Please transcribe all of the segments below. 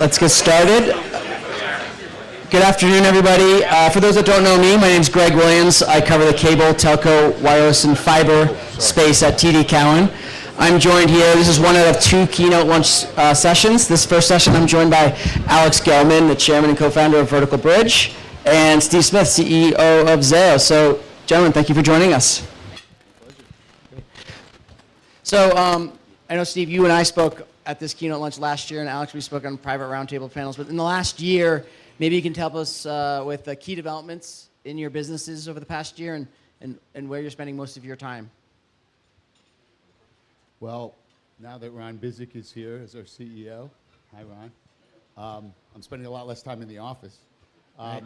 Let's get started. Good afternoon, everybody. For those that don't know me, my name's Greg Williams. I cover the cable, telco, wireless, and fiber space at TD Cowen. I'm joined here, this is one out of two keynote lunch sessions. This first session, I'm joined by Alex Gellman, the chairman and co-founder of Vertical Bridge, and Steve Smith, CEO of Zayo. So gentlemen, thank you for joining us. So, I know, Steve, you and I spoke at this keynote lunch last year, and Alex, we spoke on private roundtable panels. But in the last year, maybe you can tell us, with the key developments in your businesses over the past year and where you're spending most of your time. Well, now that Ron Bizick is here as our CEO, hi, Ron, I'm spending a lot less time in the office. Right.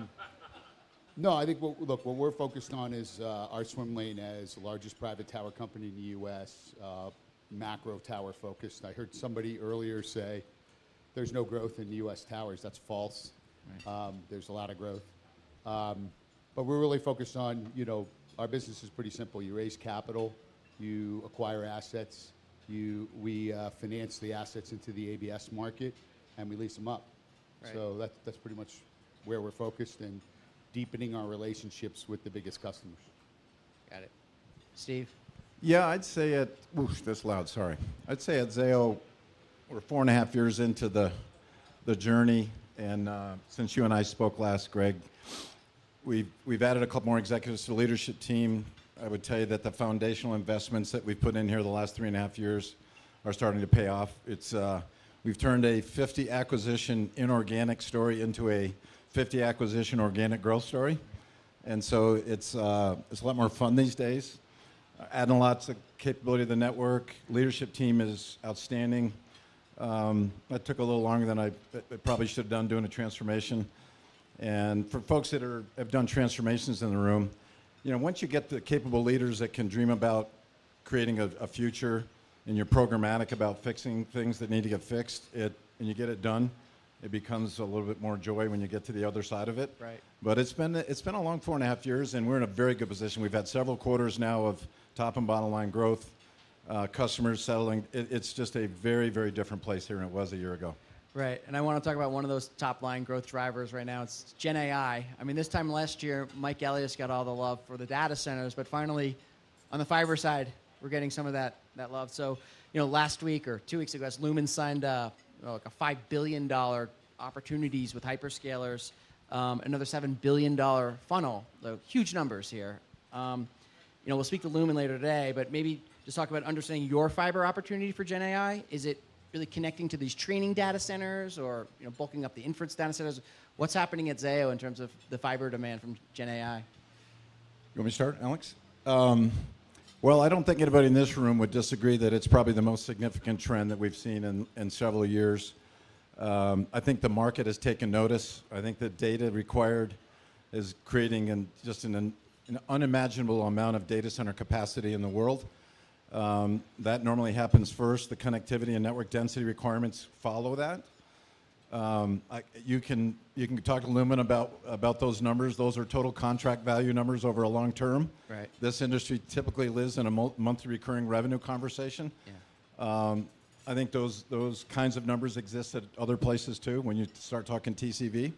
No, I think what, look, what we're focused on is, our swim lane as the largest private tower company in the U.S., macro tower focused. I heard somebody earlier say, there's no growth in U.S. towers. That's false. Right. There's a lot of growth. But we're really focused on, you know, our business is pretty simple. You raise capital, you acquire assets, we finance the assets into the ABS market, and we lease them up. Right. So that, that's pretty much where we're focused and deepening our relationships with the biggest customers. Got it. Steve? Yeah, I'd say at... Whoosh, that's loud, sorry. I'd say at Zayo, we're 4.5 years into the journey, and since you and I spoke last, Greg, we've added a couple more executives to the leadership team. I would tell you that the foundational investments that we've put in here the last 3.5 years are starting to pay off. It's, we've turned a 50-acquisition inorganic story into a 50-acquisition organic growth story, and so it's, it's a lot more fun these days. Adding lots of capability to the network. Leadership team is outstanding. It took a little longer than it probably should have done doing a transformation. For folks that are, have done transformations in the room, you know, once you get the capable leaders that can dream about creating a future, and you're programmatic about fixing things that need to get fixed, and you get it done, it becomes a little bit more joy when you get to the other side of it. Right. But it's been a long 4.5 years, and we're in a very good position. We've had several quarters now of top and bottom line growth, customers settling. It's just a very, very different place here than it was a year ago. Right, and I want to talk about one of those top-line growth drivers right now. It's GenAI. I mean, this time last year, Mike Elias got all the love for the data centers, but finally, on the fiber side, we're getting some of that, that love. So, you know, last week or two weeks ago, I guess, Lumen signed a, like, a $5 billion opportunities with hyperscalers, another $7 billion funnel, the huge numbers here. You know, we'll speak to Lumen later today, but maybe just talk about understanding your fiber opportunity for GenAI. Is it really connecting to these training data centers or, you know, bulking up the inference data centers? What's happening at Zayo in terms of the fiber demand from GenAI? You want me to start, Alex? Well, I don't think anybody in this room would disagree that it's probably the most significant trend that we've seen in several years. I think the market has taken notice. I think the data required is creating just an unimaginable amount of data center capacity in the world. That normally happens first. The connectivity and network density requirements follow that. You can talk to Lumen about those numbers. Those are total contract value numbers over a long term. Right. This industry typically lives in a monthly recurring revenue conversation. Yeah. I think those kinds of numbers exist at other places, too, when you start talking TCV.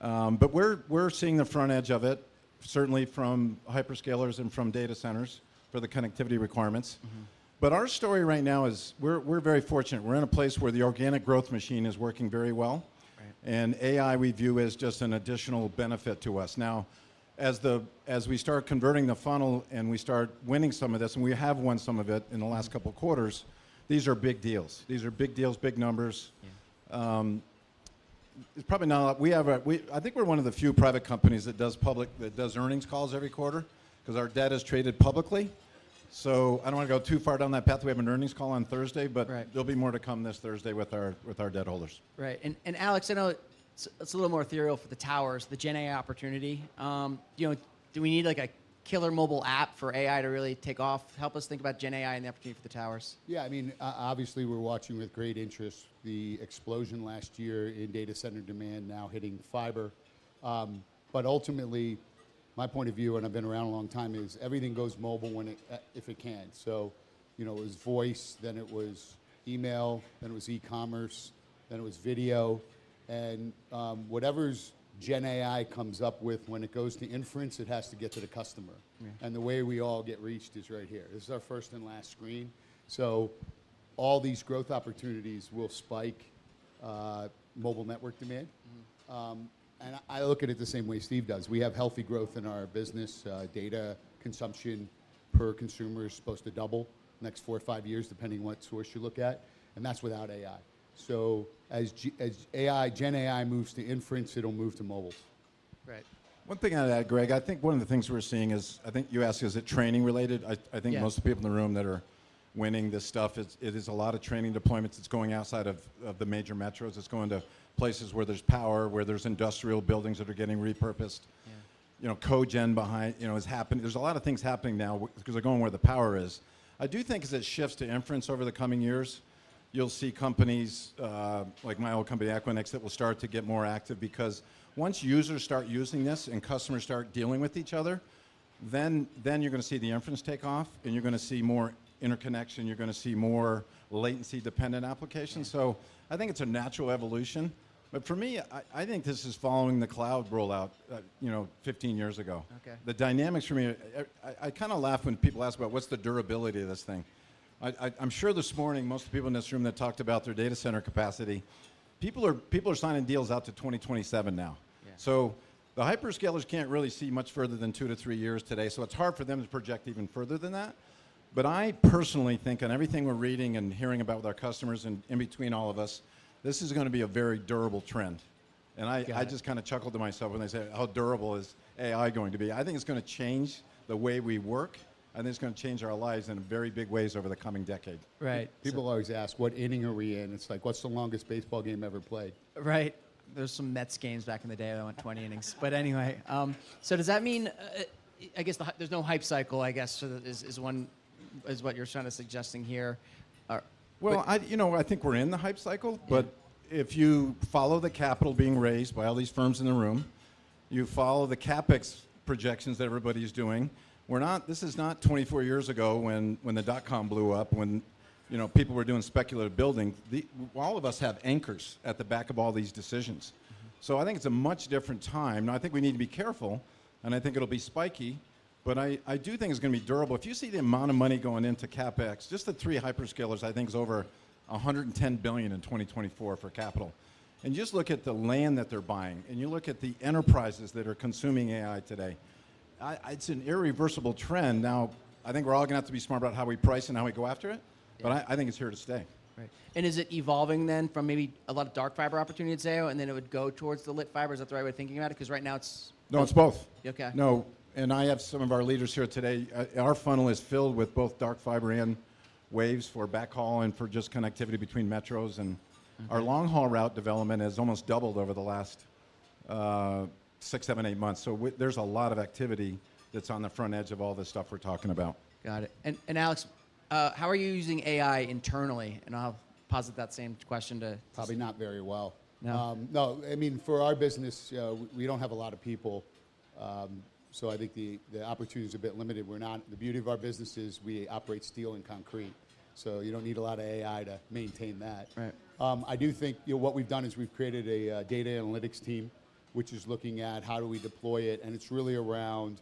But we're seeing the front edge of it, certainly from hyperscalers and from data centers for the connectivity requirements. Mm-hmm. But our story right now is, we're very fortunate. We're in a place where the organic growth machine is working very well. Right. AI we view as just an additional benefit to us. Now, as we start converting the funnel and we start winning some of this, and we have won some of it in the last couple of quarters, these are big deals. These are big deals, big numbers. Yeah. It's probably not a lot. I think we're one of the few private companies that does earnings calls every quarter, 'cause our debt is traded publicly. So I don't want to go too far down that path. We have an earnings call on Thursday- Right... but there'll be more to come this Thursday with our debt holders. Right. And Alex, I know it's a little more ethereal for the towers, the GenAI opportunity. You know, do we need, like, a killer mobile app for AI to really take off? Help us think about GenAI and the opportunity for the towers. Yeah, I mean, obviously, we're watching with great interest the explosion last year in data center demand now hitting fiber. But ultimately, my point of view, and I've been around a long time, is everything goes mobile when it, if it can. So, you know, it was voice, then it was email, then it was e-commerce, then it was video. And whatever's GenAI comes up with, when it goes to inference, it has to get to the customer. Yeah. The way we all get reached is right here. This is our first and last screen. All these growth opportunities will spike mobile network demand. Mm-hmm. I look at it the same way Steve does. We have healthy growth in our business. Data consumption per consumer is supposed to double next 4 or 5 years, depending on what source you look at, and that's without AI. So as AI, GenAI moves to inference, it'll move to mobile. Right. One thing out of that, Greg, I think one of the things we're seeing is, I think you asked, is it training related? Yeah. I think most of the people in the room that are winning this stuff, it is a lot of training deployments. It's going outside of the major metros. It's going to places where there's power, where there's industrial buildings that are getting repurposed. Yeah. You know, cogen behind, you know, is happening. There's a lot of things happening now 'cause they're going where the power is. I do think as it shifts to inference over the coming years, you'll see companies like my old company, Equinix, that will start to get more active, because once users start using this and customers start dealing with each other, then, then you're gonna see the inference take off, and you're gonna see more interconnection, you're gonna see more latency-dependent applications. Right. So I think it's a natural evolution, but for me, I think this is following the cloud rollout, you know, 15 years ago. Okay. The dynamics for me, I kind of laugh when people ask about what's the durability of this thing? I'm sure this morning, most of the people in this room that talked about their data center capacity, people are signing deals out to 2027 now. Yeah. So the hyperscalers can't really see much further than 2 years-3 years today, so it's hard for them to project even further than that. But I personally think, on everything we're reading and hearing about with our customers and in between all of us, this is gonna be a very durable trend. Got it. I just kind of chuckle to myself when they say, "How durable is AI going to be?" I think it's gonna change the way we work, and it's gonna change our lives in very big ways over the coming decade. Right. People always ask, "What inning are we in?" It's like, what's the longest baseball game ever played? Right. There's some Mets games back in the day that went 20 innings. But anyway, so does that mean, I guess there's no hype cycle, I guess, so is one what you're kind of suggesting here? Or- Well, you know, I think we're in the hype cycle. Yeah. But if you follow the capital being raised by all these firms in the room, you follow the CapEx projections that everybody's doing, this is not 24 years ago when, when the dot-com blew up, when, you know, people were doing speculative building. All of us have anchors at the back of all these decisions. So I think it's a much different time, and I think we need to be careful, and I think it'll be spiky, but I, I do think it's gonna be durable. If you see the amount of money going into CapEx, just the three hyperscalers, I think, is over $110 billion in 2024 for capital. And just look at the land that they're buying, and you look at the enterprises that are consuming AI today. I, it's an irreversible trend. Now, I think we're all gonna have to be smart about how we price and how we go after it- Yeah... but I, I think it's here to stay. Right. And is it evolving, then, from maybe a lot of dark fiber opportunity, let's say, and then it would go towards the lit fiber? Is that the right way of thinking about it? 'Cause right now it's- No, it's both. Okay. No, and I have some of our leaders here today. Our funnel is filled with both dark fiber and waves for backhaul and for just connectivity between metros, and- Mm-hmm... our long-haul route development has almost doubled over the last six, seven, eight months. So there's a lot of activity that's on the front edge of all this stuff we're talking about. Got it. And Alex, how are you using AI internally? And I'll posit that same question to- Probably not very well. No. I mean, for our business, we don't have a lot of people. So I think the opportunity's a bit limited. The beauty of our business is we operate steel and concrete, so you don't need a lot of AI to maintain that. Right. I do think, you know, what we've done is we've created a data analytics team, which is looking at how do we deploy it, and it's really around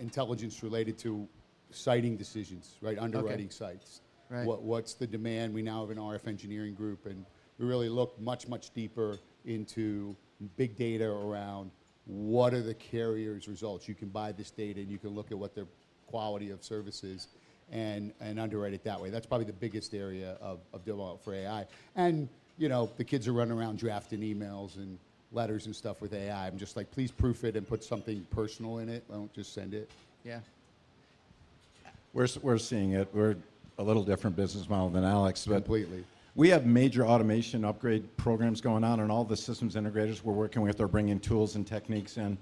intelligence related to siting decisions, right? Okay. Underwriting sites. Right. What, what's the demand? We now have an RF engineering group, and we really look much, much deeper into big data around what are the carriers' results. You can buy this data, and you can look at what their quality of service is and, and underwrite it that way. That's probably the biggest area of, of development for AI. And, you know, the kids are running around drafting emails and letters and stuff with AI. I'm just like: "Please proof it and put something personal in it. Don't just send it. Yeah. We're seeing it. We're a little different business model than Alex, but- Completely. We have major automation upgrade programs going on, and all the systems integrators we're working with are bringing tools and techniques in.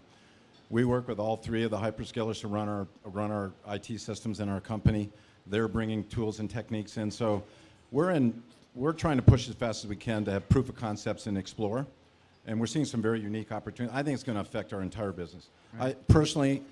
We work with all three of the hyperscalers to run our IT systems in our company. They're bringing tools and techniques in. So we're trying to push as fast as we can to have proof of concepts and explore, and we're seeing some very unique opportunity. I think it's gonna affect our entire business. Right. I personally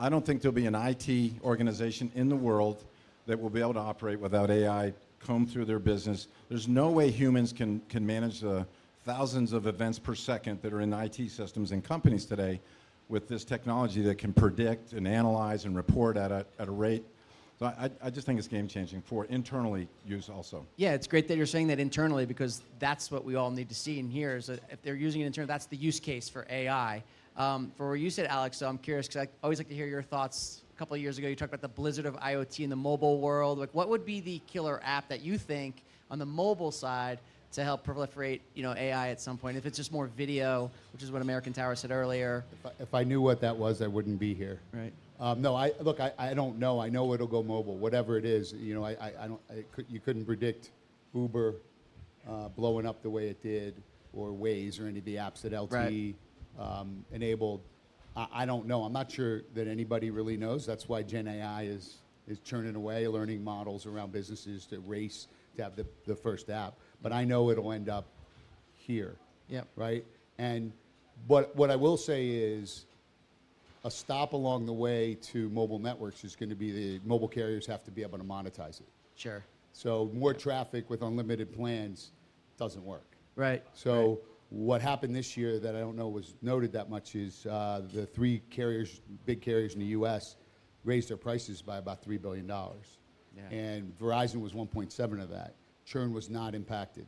don't think there'll be an IT organization in the world that will be able to operate without AI comb through their business. There's no way humans can manage the thousands of events per second that are in IT systems and companies today with this technology that can predict and analyze and report at a rate... So I just think it's game-changing for internally use also. Yeah, it's great that you're saying that internally because that's what we all need to see and hear, is that if they're using it internally, that's the use case for AI. For you, Alex, so I'm curious, 'cause I always like to hear your thoughts. A couple of years ago, you talked about the blizzard of IoT in the mobile world. Like, what would be the killer app that you think on the mobile side to help proliferate, you know, AI at some point? If it's just more video, which is what American Tower said earlier... If I knew what that was, I wouldn't be here. Right. No, I... Look, I don't know. I know it'll go mobile, whatever it is. You know, I don't. You couldn't predict Uber blowing up the way it did, or Waze, or any of the apps that LTE- Right... enabled. I don't know. I'm not sure that anybody really knows. That's why GenAI is churning away, learning models around businesses to race to have the first app. But I know it'll end up here. Yeah. Right? But what I will say is, a stop along the way to mobile networks is gonna be the mobile carriers have to be able to monetize it. Sure. More traffic with unlimited plans doesn't work. Right. Right. What happened this year that I don't know was noted that much is the three big carriers in the U.S. raised their prices by about $3 billion. Yeah. Verizon was $1.7 billion of that. Churn was not impacted.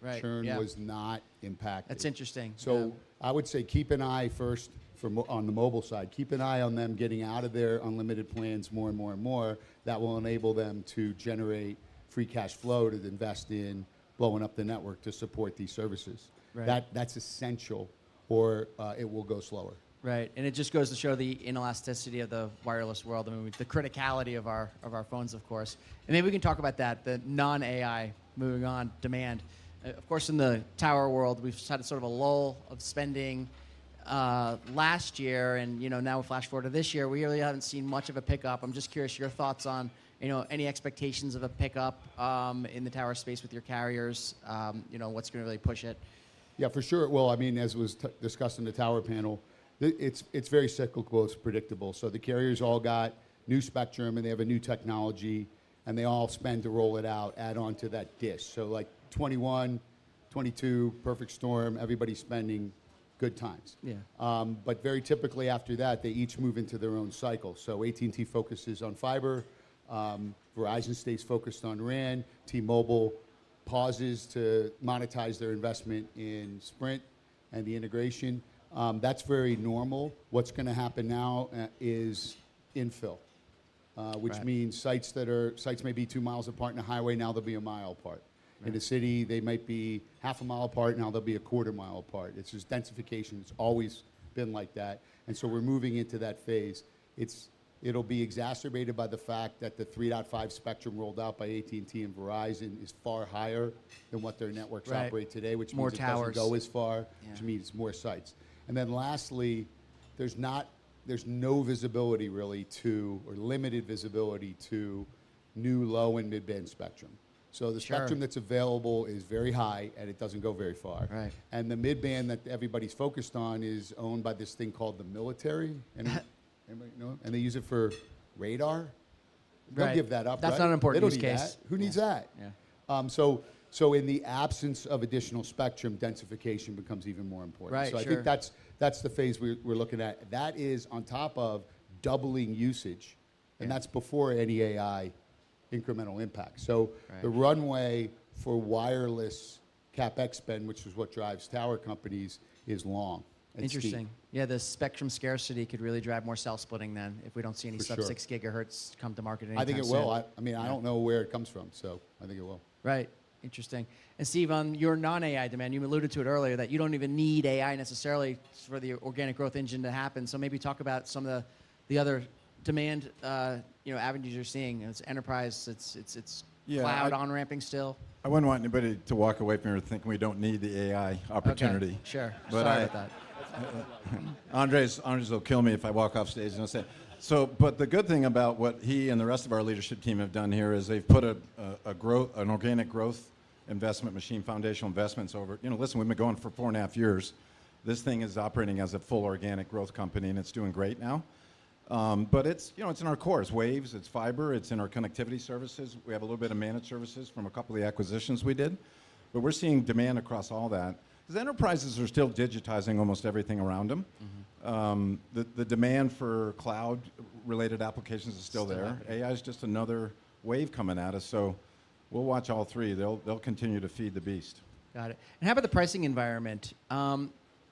Right. Yeah. Churn was not impacted. That's interesting. Yeah. So I would say keep an eye first for more on the mobile side, keep an eye on them getting out of their unlimited plans more and more and more. That will enable them to generate free cash flow to then invest in blowing up the network to support these services. Right. That, that's essential, or it will go slower. Right. And it just goes to show the inelasticity of the wireless world and the criticality of our phones, of course. And maybe we can talk about that, the non-AI, moving on, demand. Of course, in the tower world, we've just had a sort of a lull of spending, last year, and, you know, now flash forward to this year, we really haven't seen much of a pickup. I'm just curious your thoughts on, you know, any expectations of a pickup, in the tower space with your carriers? You know, what's gonna really push it? Yeah, for sure it will. I mean, as was discussed in the tower panel, the, it's, it's very cyclical. It's predictable. So the carriers all got new spectrum, and they have a new technology, and they all spend to roll it out, add on to that DISH. So, like, 2021... 2022, perfect storm, everybody's spending, good times. Yeah. But very typically after that, they each move into their own cycle. So AT&T focuses on fiber, Verizon stays focused on RAN, T-Mobile pauses to monetize their investment in Sprint and the integration. That's very normal. What's going to happen now is infill. Right. which means sites may be two miles apart in a highway, now they'll be a mile apart. Right. In the city, they might be half a mile apart, now they'll be a quarter mile apart. It's just densification. It's always been like that, and so we're moving into that phase. It'll be exacerbated by the fact that the 3.5 GHz spectrum rolled out by AT&T and Verizon is far higher than what their networks operate today. Right, more towers.... which means it doesn't go as far- Yeah... which means more sites. And then lastly, there's no visibility really to, or limited visibility to new low and mid-band spectrum. Sure. So the spectrum that's available is very high, and it doesn't go very far. Right. The mid-band that everybody's focused on is owned by this thing called the military. Anybody know it? They use it for radar. Right. They'll give that up, right? That's not an important use case. They don't need that. Yeah. Who needs that? Yeah. So, in the absence of additional spectrum, densification becomes even more important. Right, sure. I think that's the phase we're looking at. That is on top of doubling usage- Right... and that's before any AI incremental impact. Right. The runway for wireless CapEx spend, which is what drives tower companies, is long and steep. Interesting. Yeah, the spectrum scarcity could really drive more cell splitting then if we don't see any- For sure... sub-6 GHz come to market anytime soon. I think it will. I mean, I don't know- Yeah... where it comes from, so I think it will. Right. Interesting. And Steve, on your non-AI demand, you alluded to it earlier, that you don't even need AI necessarily for the organic growth engine to happen. So maybe talk about some of the other demand, you know, avenues you're seeing. It's enterprise, it's... Yeah... cloud on-ramping still. I wouldn't want anybody to walk away from here thinking we don't need the AI opportunity. Okay, sure. Sorry about that. Andrés, Andrés will kill me if I walk off stage and don't say it. So but the good thing about what he and the rest of our leadership team have done here is they've put a growth, an organic growth investment machine, foundational investments over... You know, listen, we've been going for 4.5 years. This thing is operating as a full organic growth company, and it's doing great now. But it's, you know, it's in our core. It's waves, it's fiber, it's in our connectivity services. We have a little bit of managed services from a couple of the acquisitions we did, but we're seeing demand across all that. Because enterprises are still digitizing almost everything around them- Mm-hmm... the demand for cloud-related applications is still there. Still there. AI is just another wave coming at us, so we'll watch all three. They'll, they'll continue to feed the beast. Got it. And how about the pricing environment?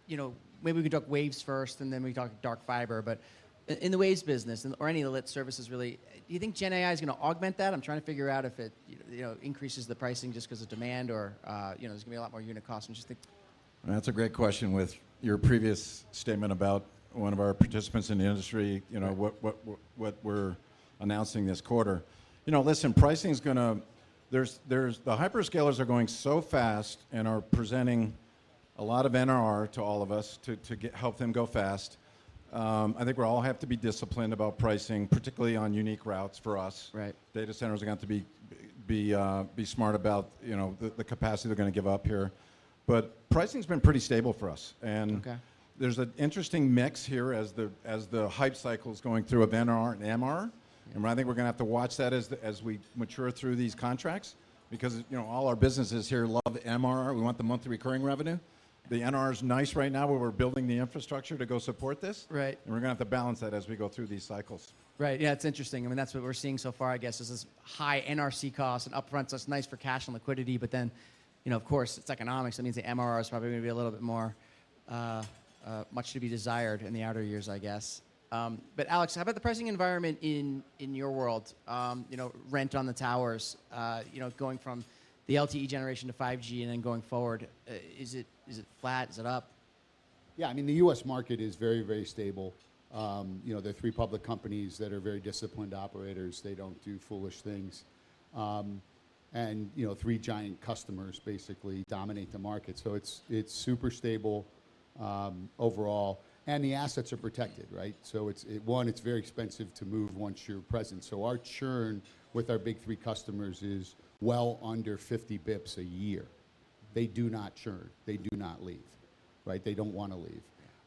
You know, maybe we can talk waves first, and then we talk dark fiber. But in the waves business, or any of the lit services really, do you think GenAI is going to augment that? I'm trying to figure out if it, you know, increases the pricing just because of demand or, you know, there's going to be a lot more unit costs. What do you think? That's a great question with your previous statement about one of our participants in the industry- Right... you know, what we're announcing this quarter. You know, listen, pricing is gonna... There's the hyperscalers are going so fast and are presenting a lot of NRR to all of us to help them go fast. I think we're all have to be disciplined about pricing, particularly on unique routes for us. Right. Data centers are going to be smart about, you know, the capacity they're going to give up here. But pricing's been pretty stable for us, and- Okay... there's an interesting mix here as the hype cycle's going through of NRR and MRR. Mm-hmm. I think we're going to have to watch that as we mature through these contracts, because, you know, all our businesses here love MRR. We want the monthly recurring revenue. The NRR is nice right now, where we're building the infrastructure to go support this. Right. We're going to have to balance that as we go through these cycles. Right. Yeah, it's interesting. I mean, that's what we're seeing so far, I guess, is this high NRC cost and upfront. So it's nice for cash and liquidity, but then, you know, of course, it's economics, that means the MRR is probably going to be a little bit more much to be desired in the outer years, I guess. But Alex, how about the pricing environment in your world? You know, rent on the towers, you know, going from the LTE generation to 5G and then going forward, is it flat? Is it up? Yeah, I mean, the U.S. market is very, very stable. You know, there are three public companies that are very disciplined operators. They don't do foolish things. And, you know, three giant customers basically dominate the market. So it's, it's super stable, overall, and the assets are protected, right? So it's, it... One, it's very expensive to move once you're present. So our churn with our big three customers is well under 50 basis points a year. They do not churn. They do not leave, right? They don't want to leave.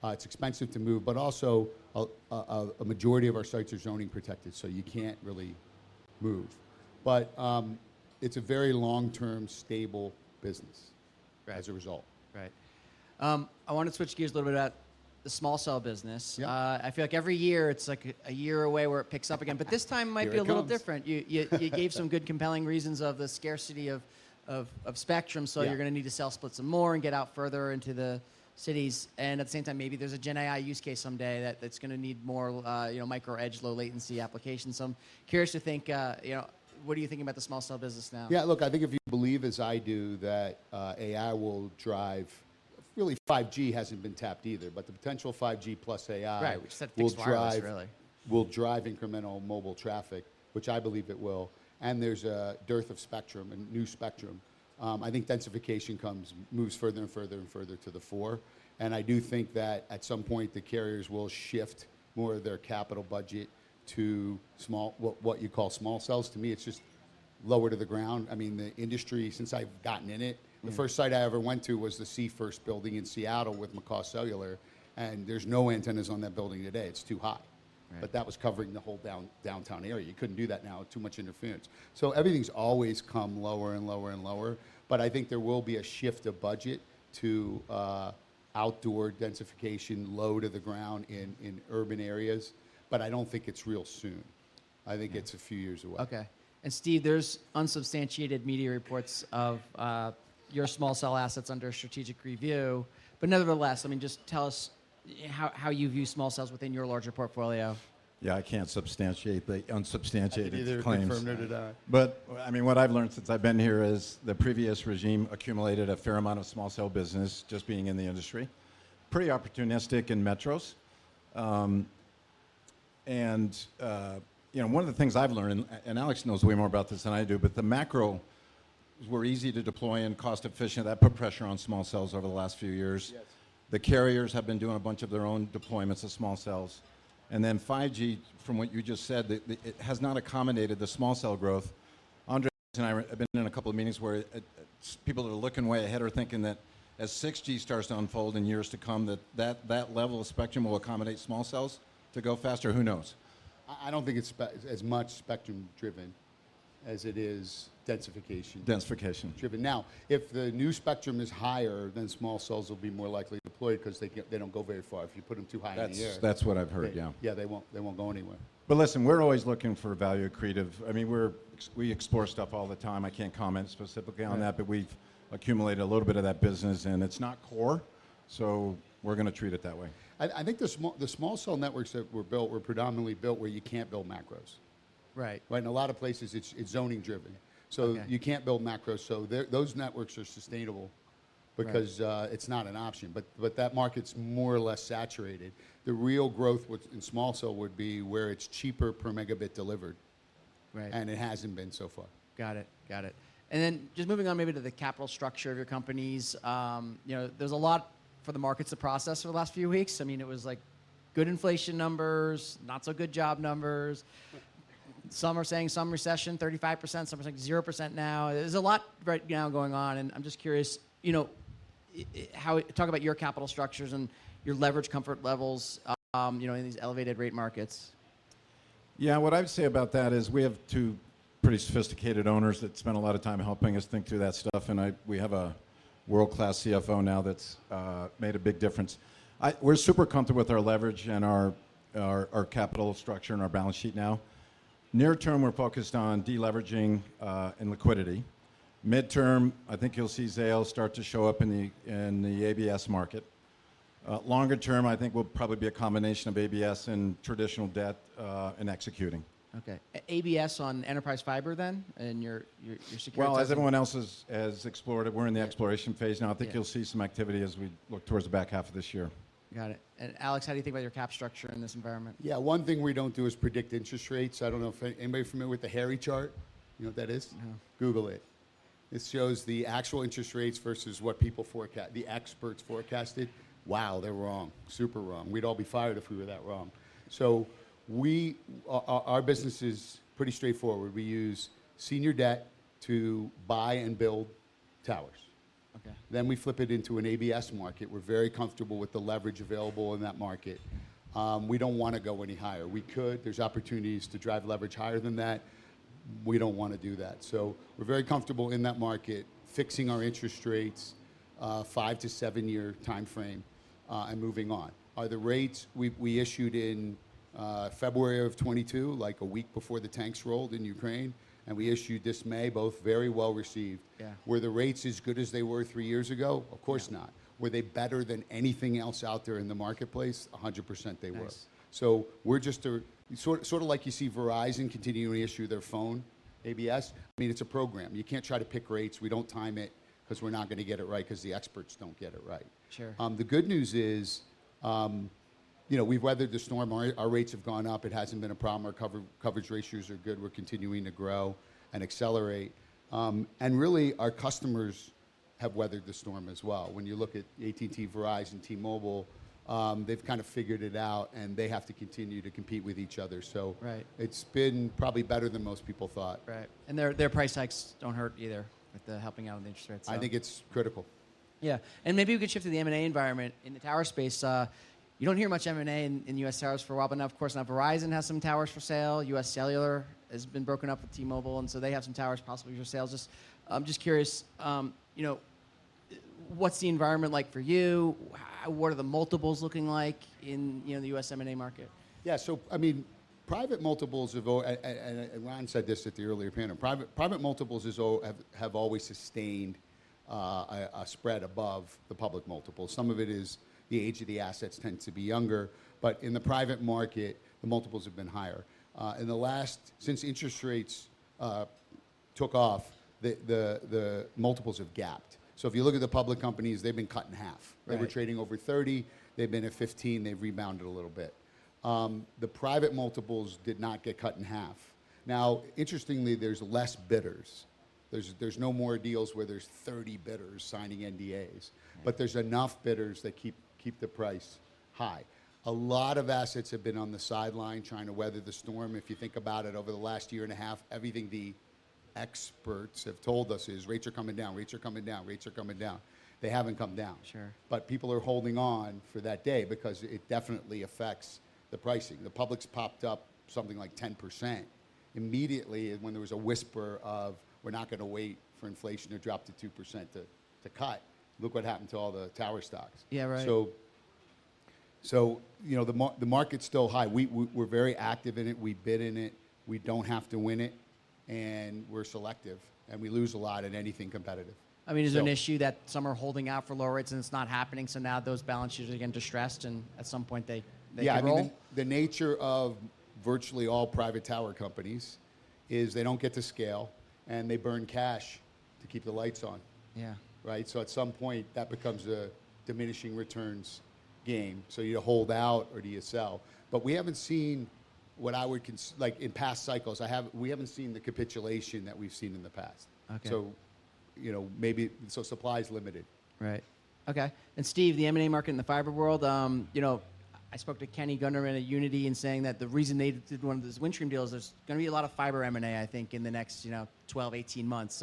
It's expensive to move, but also, a majority of our sites are zoning protected, so you can't really move. But, it's a very long-term, stable business- Right... as a result. Right. I want to switch gears a little bit about small cell business. Yeah. I feel like every year, it's like a year away where it picks up again. Here it comes. But this time might be a little different. You gave some good, compelling reasons of the scarcity of spectrum. Yeah. So you're going to need to sell split some more and get out further into the cities, and at the same time, maybe there's a GenAI use case someday that that's going to need more, you know, micro edge, low latency applications. So I'm curious to think, you know, what are you thinking about small cell business now? Yeah, look, I think if you believe as I do, that AI will drive... Really, 5G hasn't been tapped either, but the potential 5G plus AI- Right, which sets fixed wireless, really.... will drive, will drive incremental mobile traffic, which I believe it will. And there's a dearth of spectrum and new spectrum. I think densification comes, moves further and further and further to the fore, and I do think that at some point, the carriers will shift more of their capital budget to small, what, what you small cells. to me, it's just lower to the ground. I mean, the industry, since I've gotten in it. Mm-hmm The first site I ever went to was the Seafirst Building in Seattle with McCaw Cellular, and there's no antennas on that building today. It's too high, but that was covering the whole downtown area. You couldn't do that now, too much interference. So everything's always come lower and lower and lower, but I think there will be a shift of budget to outdoor densification, low to the ground in urban areas, but I don't think it's real soon. I think it's a few years away. Okay. And Steve, there's unsubstantiated media reports of small cell assets under strategic review, but nevertheless, I mean, just tell us how you small cells within your larger portfolio? Yeah, I can't substantiate the unsubstantiated claims. I can neither confirm nor deny. But, I mean, what I've learned since I've been here is the previous regime accumulated a fair amount small cell business, just being in the industry. Pretty opportunistic in metros. You know, one of the things I've learned, and Alex knows way more about this than I do, but the macros were easy to deploy and cost-efficient. That put pressure small cells over the last few years. Yes. The carriers have been doing a bunch of their own deployments small cells. and then 5G, from what you just said, it has not accommodated small cell growth. Andrés and I have been in a couple of meetings where people are looking way ahead are thinking that as 6G starts to unfold in years to come, that level of spectrum will small cells to go faster. Who knows? I don't think it's as much spectrum-driven as it is densification- Densification... driven. Now, if the new spectrum is higher, small cells will be more likely deployed 'cause they don't go very far if you put them too high in the air. That's, that's what I've heard, yeah. Yeah, they won't, they won't go anywhere. But listen, we're always looking for value creative... I mean, we explore stuff all the time. I can't comment specifically on that- Right... but we've accumulated a little bit of that business, and it's not core, so we're gonna treat it that way. I think small cell networks that were built were predominantly built where you can't build macros. Right. Right? In a lot of places, it's zoning-driven. Okay. So you can't build macros, so those networks are sustainable- Right... because it's not an option, but that market's more or less saturated. The real growth with, small cell would be where it's cheaper per megabit delivered. Right. And it hasn't been so far. Got it. Got it. And then just moving on maybe to the capital structure of your companies, you know, there's a lot for the markets to process over the last few weeks. I mean, it was, like, good inflation numbers, not so good job numbers. Some are saying some recession, 35%, some are saying 0% now. There's a lot right now going on, and I'm just curious, you know, how... Talk about your capital structures and your leverage comfort levels, you know, in these elevated rate markets. Yeah, what I'd say about that is we have two pretty sophisticated owners that spend a lot of time helping us think through that stuff, and we have a world-class CFO now that's made a big difference. We're super comfortable with our leverage and our capital structure and our balance sheet now. Near term, we're focused on de-leveraging and liquidity. Midterm, I think you'll see Zayo start to show up in the ABS market. Longer term, I think will probably be a combination of ABS and traditional debt and executing. Okay. ABS on enterprise fiber then, in your securities? Well, as everyone else has explored it, we're in the exploration phase now. Yeah. I think you'll see some activity as we look towards the back half of this year. Got it. And Alex, how do you think about your cap structure in this environment? Yeah, one thing we don't do is predict interest rates. I don't know if anybody familiar with the Hairy chart? You know what that is? No. Google it. It shows the actual interest rates versus what people forecast, the experts forecasted. Wow, they're wrong. Super wrong. We'd all be fired if we were that wrong. So our business is pretty straightforward. We use senior debt to buy and build towers. Okay. Then we flip it into an ABS market. We're very comfortable with the leverage available in that market. We don't want to go any higher. We could, there's opportunities to drive leverage higher than that. We don't want to do that. So we're very comfortable in that market, fixing our interest rates, five-to-seven-year timeframe, and moving on. The rates we, we issued in, February of 2022, like a week before the tanks rolled in Ukraine, and we issued this May, both very well received. Yeah. Were the rates as good as they were 3 years ago? Yeah. Of course not. Were they better than anything else out there in the marketplace? 100% they were. Nice. So we're just sort of like you see Verizon continually issue their phone ABS. I mean, it's a program. You can't try to pick rates. We don't time it, 'cause we're not going to get it right, 'cause the experts don't get it right. Sure. The good news is, you know, we've weathered the storm. Our rates have gone up. It hasn't been a problem. Our coverage ratios are good. We're continuing to grow and accelerate. And really, our customers have weathered the storm as well. When you look at AT&T, Verizon, T-Mobile, they've kind of figured it out, and they have to continue to compete with each other, so- Right... it's been probably better than most people thought. Right. And their price hikes don't hurt either, with the helping out with the interest rates. I think it's critical. Yeah. And maybe we could shift to the M&A environment. In the tower space, you don't hear much M&A in U.S. towers for a while, but now, of course, Verizon has some towers for sale. UScellular has been broken up with T-Mobile, and so they have some towers possibly for sale. Just, I'm just curious, you know, what's the environment like for you? What are the multiples looking like in, you know, the U.S. M&A market? Yeah, so I mean, private multiples have, and Ron said this at the earlier panel, always sustained a spread above the public multiples. Some of it is the age of the assets tend to be younger, but in the private market, the multiples have been higher. In the last since interest rates took off, the multiples have gapped. So if you look at the public companies, they've been cut in half. Right. They were trading over 30, they've been at 15, they've rebounded a little bit. The private multiples did not get cut in half. Now, interestingly, there's less bidders. There's no more deals where there's 30 bidders signing NDAs- Right... but there's enough bidders that keep the price high. A lot of assets have been on the sideline trying to weather the storm. If you think about it, over the last year and a half, everything experts have told us is, "Rates are coming down, rates are coming down, rates are coming down." They haven't come down. Sure. But people are holding on for that day because it definitely affects the pricing. The public's popped up something like 10%. Immediately, when there was a whisper of, "We're not gonna wait for inflation to drop to 2% to cut," look what happened to all the tower stocks. Yeah, right. So, you know, the market's still high. We're very active in it. We bid in it, we don't have to win it, and we're selective, and we lose a lot in anything competitive. So- I mean, there's an issue that some are holding out for lower rates, and it's not happening, so now those balances are getting distressed, and at some point they, they roll? Yeah, I mean, the nature of virtually all private tower companies is they don't get to scale, and they burn cash to keep the lights on. Yeah. Right? So at some point, that becomes a diminishing returns game. So do you hold out or do you sell? But we haven't seen what I would consider—like, in past cycles, the capitulation that we've seen in the past. Okay. You know, maybe... Supply is limited. Right. Okay, and Steve, the M&A market in the fiber world, you know, I spoke to Kenny Gunderman at Uniti in saying that the reason they did one of those Windstream deals, there's gonna be a lot of fiber M&A, I think, in the next, you know, 12, 18 months.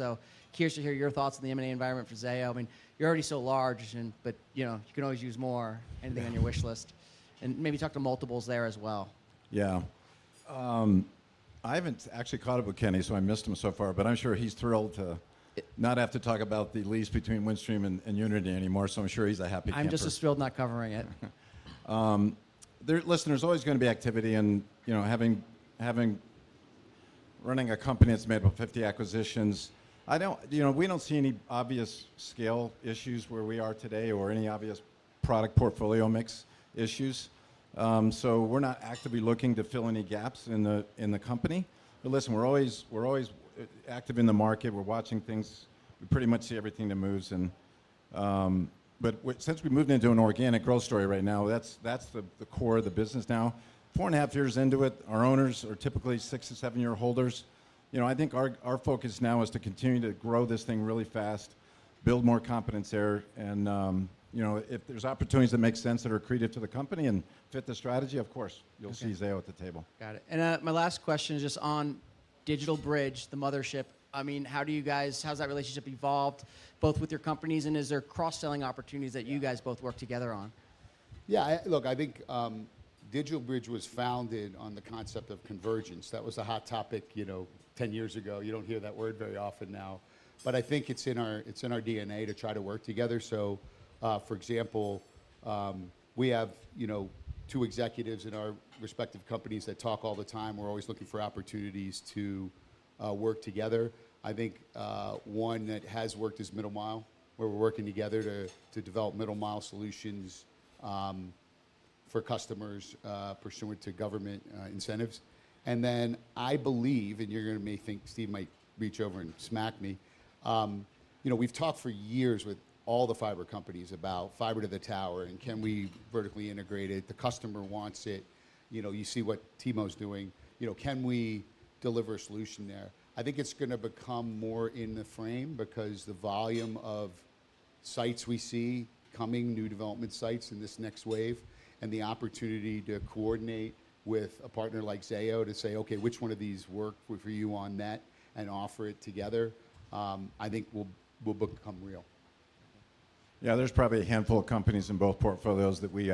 So curious to hear your thoughts on the M&A environment for Zayo. I mean, you're already so large and, but, you know, you can always use more- Yeah... anything on your wish list, and maybe talk to multiples there as well. Yeah. I haven't actually caught up with Kenny, so I missed him so far, but I'm sure he's thrilled to- Yeah... not have to talk about the lease between Windstream and Uniti anymore, so I'm sure he's a happy camper. I'm just thrilled, not covering it. Listen, there's always gonna be activity and, you know, having running a company that's made up of 50 acquisitions, I don't... You know, we don't see any obvious scale issues where we are today or any obvious product portfolio mix issues. So we're not actively looking to fill any gaps in the company. But listen, we're always active in the market. We're watching things. We pretty much see everything that moves. And but since we've moved into an organic growth story right now, that's the core of the business now. 4.5 years into it, our owners are typically 6 year-7 year holders. You know, I think our focus now is to continue to grow this thing really fast, build more competence there, and, you know, if there's opportunities that make sense, that are accretive to the company and fit the strategy, of course- Okay... you'll see Zayo at the table. Got it. And, my last question is just on DigitalBridge, the mothership. I mean, how do you guys, how has that relationship evolved, both with your companies, and is there cross-selling opportunities that you guys- Yeah... both work together on? Yeah, I, look, I think, DigitalBridge was founded on the concept of convergence. That was the hot topic, you know, 10 years ago. You don't hear that word very often now. But I think it's in our, it's in our DNA to try to work together. So, for example, we have, you know, two executives in our respective companies that talk all the time. We're always looking for opportunities to work together. I think, one that has worked is middle mile, where we're working together to develop middle mile solutions for customers pursuant to government incentives. And then I believe, and you're gonna may think Steve might reach over and smack me, you know, we've talked for years with all the fiber companies about fiber to the tower and can we vertically integrate it? The customer wants it. You know, you see what T-Mo's doing. You know, can we deliver a solution there? I think it's gonna become more in the frame because the volume of sites we see coming, new development sites in this next wave, and the opportunity to coordinate with a partner like Zayo to say, "Okay, which one of these work for you on-net?" And offer it together. I think will become real. Yeah, there's probably a handful of companies in both portfolios that we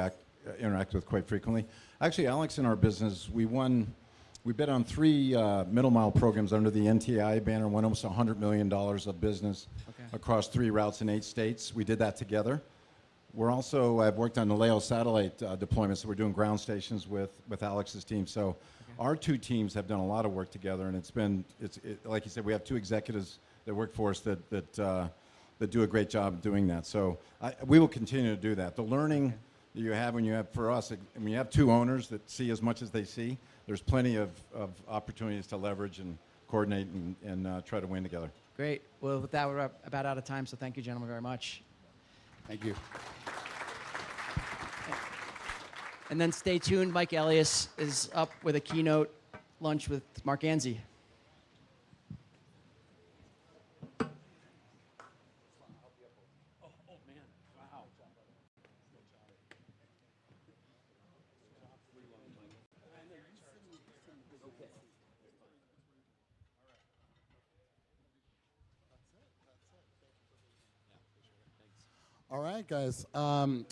interact with quite frequently. Actually, Alex, in our business, we bid on three middle mile programs under the NTIA banner, won almost $100 million of business- Okay... across 3 routes in 8 states. We did that together. We're also, I've worked on the LEO satellite deployments, so we're doing ground stations with Alex's team. Okay. So our two teams have done a lot of work together, and it's been, like you said, we have two executives that work for us that do a great job doing that. So we will continue to do that. Okay. The learning that you have when you have, for us, I mean, you have two owners that see as much as they see, there's plenty of opportunities to leverage and coordinate and try to win together. Great. Well, with that, we're about out of time, so thank you, gentlemen, very much. Thank you. Stay tuned. Mike Elias is up with a keynote lunch with Marc Ganzi. I'll help you up. Oh, oh, man. Wow! Great job, brother. Great job. All right, guys,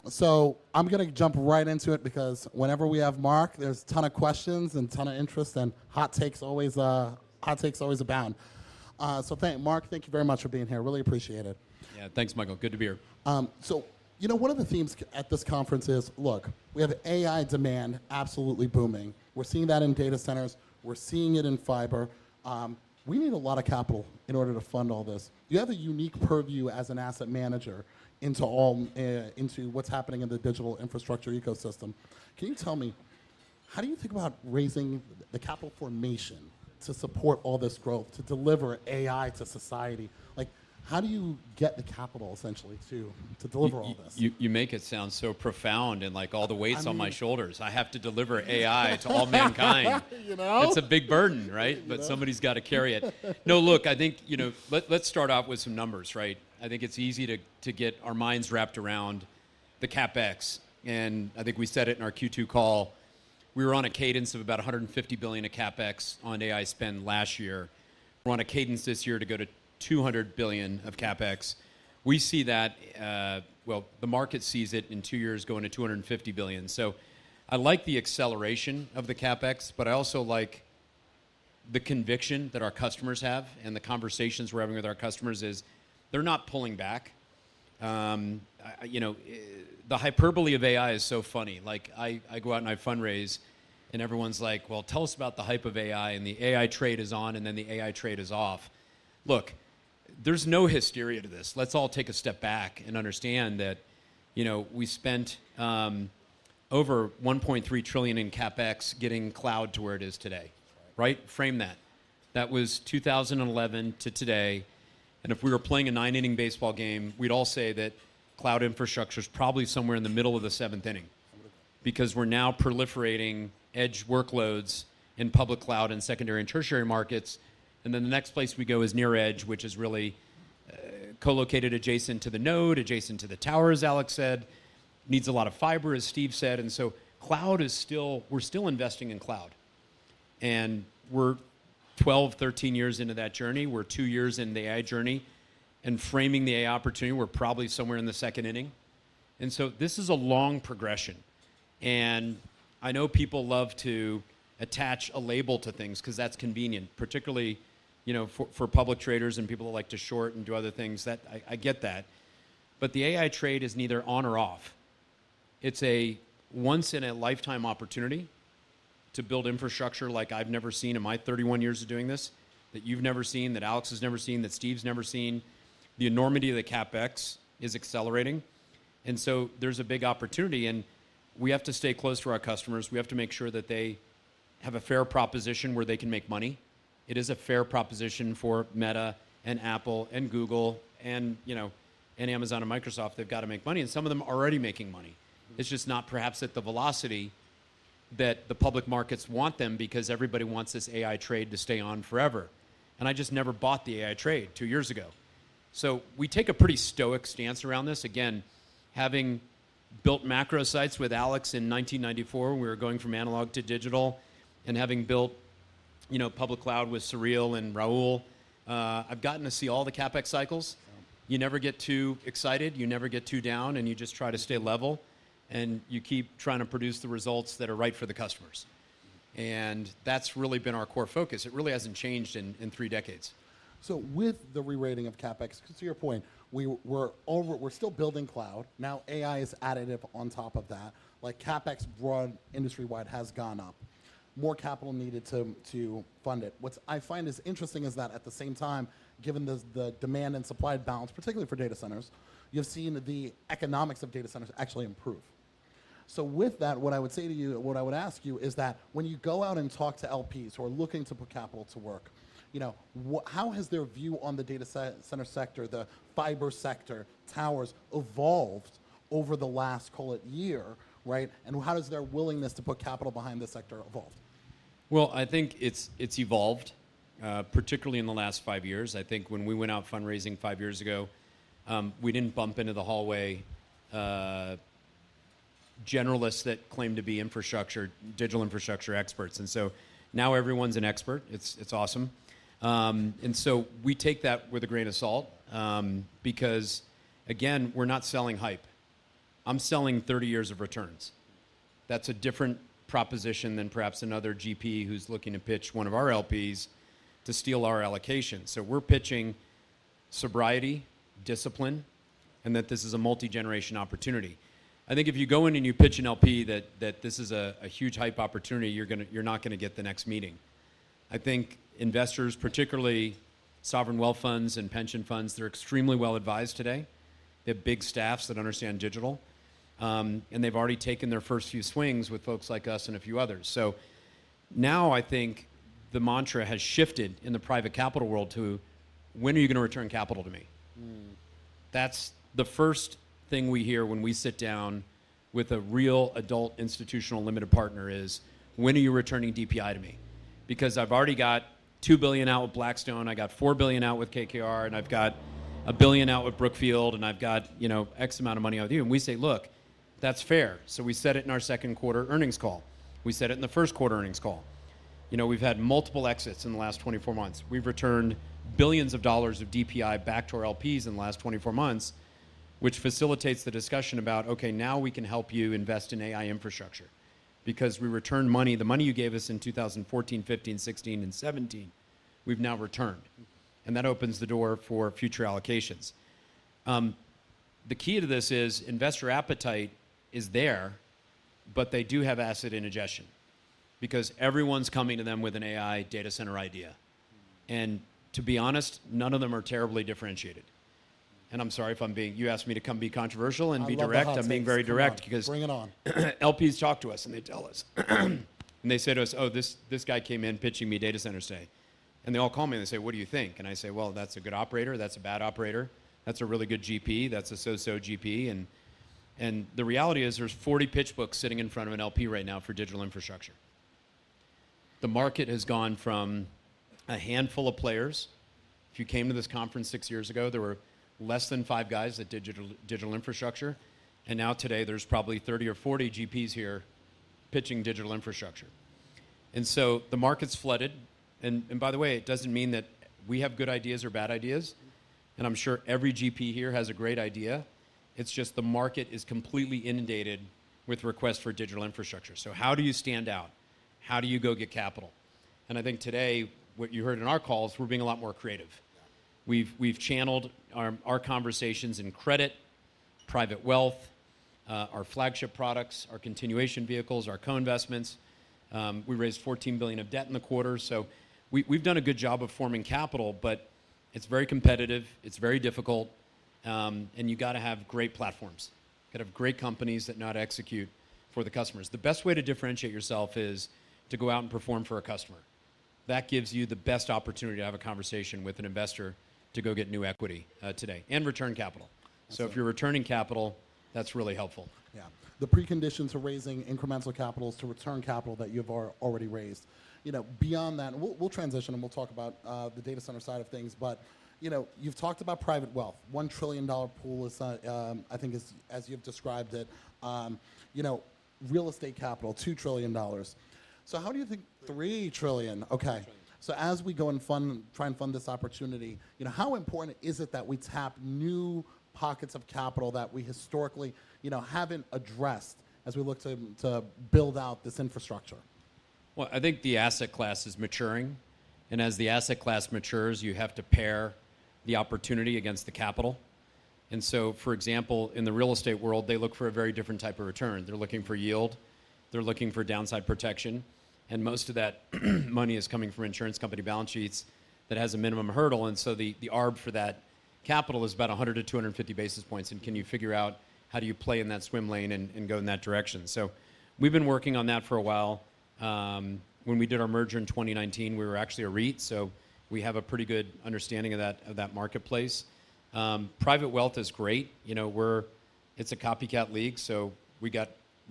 so I'm gonna jump right into it because whenever we have Marc, there's a ton of questions and a ton of interest, and hot takes always, hot takes always abound. So thank you, Marc, thank you very much for being here. Really appreciate it. Yeah, thanks, Michael. Good to be here. So, you know, one of the themes at this conference is, look, we have AI demand absolutely booming. We're seeing that in data centers. We're seeing it in fiber. We need a lot of capital in order to fund all this. You have a unique purview as an asset manager into all, into what's happening in the digital infrastructure ecosystem. Can you tell me, how do you think about raising the capital formation to support all this growth, to deliver AI to society? Like, how do you get the capital, essentially, to, to deliver all this? You make it sound so profound and like all the weight's- I mean-... on my shoulders. I have to deliver AI to all mankind. You know? It's a big burden, right? You know. But somebody's got to carry it. No, look, I think, you know, let's start off with some numbers, right? I think it's easy to get our minds wrapped around the CapEx, and I think we said it in our Q2 call, we were on a cadence of about $150 billion of CapEx on AI spend last year. We're on a cadence this year to go to $200 billion of CapEx. We see that, well, the market sees it in 2 years going to $250 billion. So I like the acceleration of the CapEx, but I also like the conviction that our customers have, and the conversations we're having with our customers is, they're not pulling back. You know, the hyperbole of AI is so funny. Like, I go out and I fundraise, and everyone's like: "Well, tell us about the hype of AI, and the AI trade is on, and then the AI trade is off." Look, there's no hysteria to this. Let's all take a step back and understand that, you know, we spent over $1.3 trillion in CapEx getting cloud to where it is today. Right? Frame that. That was 2011 to today, and if we were playing a 9-inning baseball game, we'd all say that cloud infrastructure's probably somewhere in the middle of the 7th inning. Because we're now proliferating edge workloads in public cloud and secondary and tertiary markets, and then the next place we go is near edge, which is really, co-located adjacent to the node, adjacent to the tower, as Alex said. Needs a lot of fiber, as Steve said, and so cloud is still... We're still investing in cloud. And we're 12 years, 13 years into that journey. We're 2 years into the AI journey, and framing the AI opportunity, we're probably somewhere in the second inning. And so this is a long progression, and I know people love to attach a label to things 'cause that's convenient, particularly, you know, for, for public traders and people who like to short and do other things, that. I get that. But the AI trade is neither on or off. It's a once-in-a-lifetime opportunity to build infrastructure like I've never seen in my 31 years of doing this, that you've never seen, that Alex has never seen, that Steve's never seen. The enormity of the CapEx is accelerating, and so there's a big opportunity, and we have to stay close to our customers. We have to make sure that they have a fair proposition where they can make money. It is a fair proposition for Meta and Apple and Google and, you know, and Amazon and Microsoft. They've got to make money, and some of them are already making money. It's just not perhaps at the velocity that the public markets want them, because everybody wants this AI trade to stay on forever. And I just never bought the AI trade 2 years ago. So we take a pretty stoic stance around this. Again, having built macro sites with Alex in 1994, when we were going from analog to digital, and having built, you know, public cloud with Sureel and Raul, I've gotten to see all the CapEx cycles. You never get too excited, you never get too down, and you just try to stay level, and you keep trying to produce the results that are right for the customers. That's really been our core focus. It really hasn't changed in three decades. So with the rerating of CapEx, 'cause to your point, we're still building cloud. Now, AI is additive on top of that. Like, CapEx broad, industry-wide, has gone up. More capital needed to fund it. What I find is interesting is that at the same time, given the demand and supply balance, particularly for data centers, you've seen the economics of data centers actually improve. So with that, what I would say to you, what I would ask you, is that when you go out and talk to LPs who are looking to put capital to work, you know, how has their view on the data center sector, the fiber sector, towers, evolved over the last, call it, year, right? And how has their willingness to put capital behind this sector evolved? Well, I think it's evolved, particularly in the last 5 years. I think when we went out fundraising 5 years ago, we didn't bump into the hallway generalists that claimed to be infrastructure digital infrastructure experts. And so now everyone's an expert. It's awesome. And so we take that with a grain of salt, because, again, we're not selling hype. I'm selling 30 years of returns. That's a different proposition than perhaps another GP who's looking to pitch one of our LPs to steal our allocation. So we're pitching sobriety, discipline, and that this is a multi-generation opportunity. I think if you go in and you pitch an LP that this is a huge hype opportunity, you're gonna, you're not gonna get the next meeting. I think investors, particularly sovereign wealth funds and pension funds, they're extremely well advised today. They have big staffs that understand digital, and they've already taken their first few swings with folks like us and a few others. So now I think the mantra has shifted in the private capital world to: "When are you going to return capital to me? Mm. That's the first thing we hear when we sit down with a real adult institutional limited partner is: "When are you returning DPI to me? Because I've already got $2 billion out with Blackstone, I got $4 billion out with KKR, and I've got $1 billion out with Brookfield, and I've got, you know, X amount of money out with you." And we say: "Look, that's fair." So we said it in our second quarter earnings call. We said it in the first quarter earnings call. You know, we've had multiple exits in the last 24 months. We've returned billions of dollars of DPI back to our LPs in the last 24 months, which facilitates the discussion about, okay, now we can help you invest in AI infrastructure, because we returned money. The money you gave us in 2014, 2015, 2016, and 2017, we've now returned. That opens the door for future allocations. The key to this is investor appetite is there, but they do have acid indigestion, because everyone's coming to them with an AI data center idea. And to be honest, none of them are terribly differentiated. And I'm sorry if I'm being... You asked me to come be controversial and be direct. I love the honesty. I'm being very direct, because- Bring it on... LPs talk to us, and they tell us. They say to us, "Oh, this, this guy came in pitching me data center today." They all call me and they say, "What do you think?" I say, "Well, that's a good operator. That's a bad operator. That's a really good GP. That's a so-so GP." And, and the reality is, there's 40 pitch books sitting in front of an LP right now for digital infrastructure.... The market has gone from a handful of players. If you came to this conference 6 years ago, there were less than 5 guys that did digital, digital infrastructure, and now today there's probably 30 or 40 GPs here pitching digital infrastructure. And so the market's flooded, and by the way, it doesn't mean that we have good ideas or bad ideas, and I'm sure every GP here has a great idea. It's just the market is completely inundated with requests for digital infrastructure. So how do you stand out? How do you go get capital? And I think today, what you heard in our calls, we're being a lot more creative. Yeah. We've channeled our conversations in credit, private wealth, our flagship products, our continuation vehicles, our co-investments. We raised $14 billion of debt in the quarter, so we've done a good job of forming capital, but it's very competitive, it's very difficult, and you got to have great platforms. You got to have great companies that know how to execute for the customers. The best way to differentiate yourself is to go out and perform for a customer. That gives you the best opportunity to have a conversation with an investor to go get new equity, today, and return capital. If you're returning capital, that's really helpful. Yeah. The precondition to raising incremental capital is to return capital that you have already raised. You know, beyond that... We'll transition, and we'll talk about the data center side of things, but, you know, you've talked about private wealth. $1 trillion pool is, I think is, as you've described it, you know, real estate capital, $2 trillion. So how do you think- Three. $3 trillion, okay. Three trillion. As we go and fund, try and fund this opportunity, you know, how important is it that we tap new pockets of capital that we historically, you know, haven't addressed as we look to build out this infrastructure? Well, I think the asset class is maturing, and as the asset class matures, you have to pair the opportunity against the capital. And so, for example, in the real estate world, they look for a very different type of return. They're looking for yield, they're looking for downside protection, and most of that money is coming from insurance company balance sheets that has a minimum hurdle, and so the arb for that capital is about 100-250 basis points, and can you figure out how do you play in that swim lane and go in that direction? So we've been working on that for a while. When we did our merger in 2019, we were actually a REIT, so we have a pretty good understanding of that marketplace. Private wealth is great. You know, it's a copycat league, so we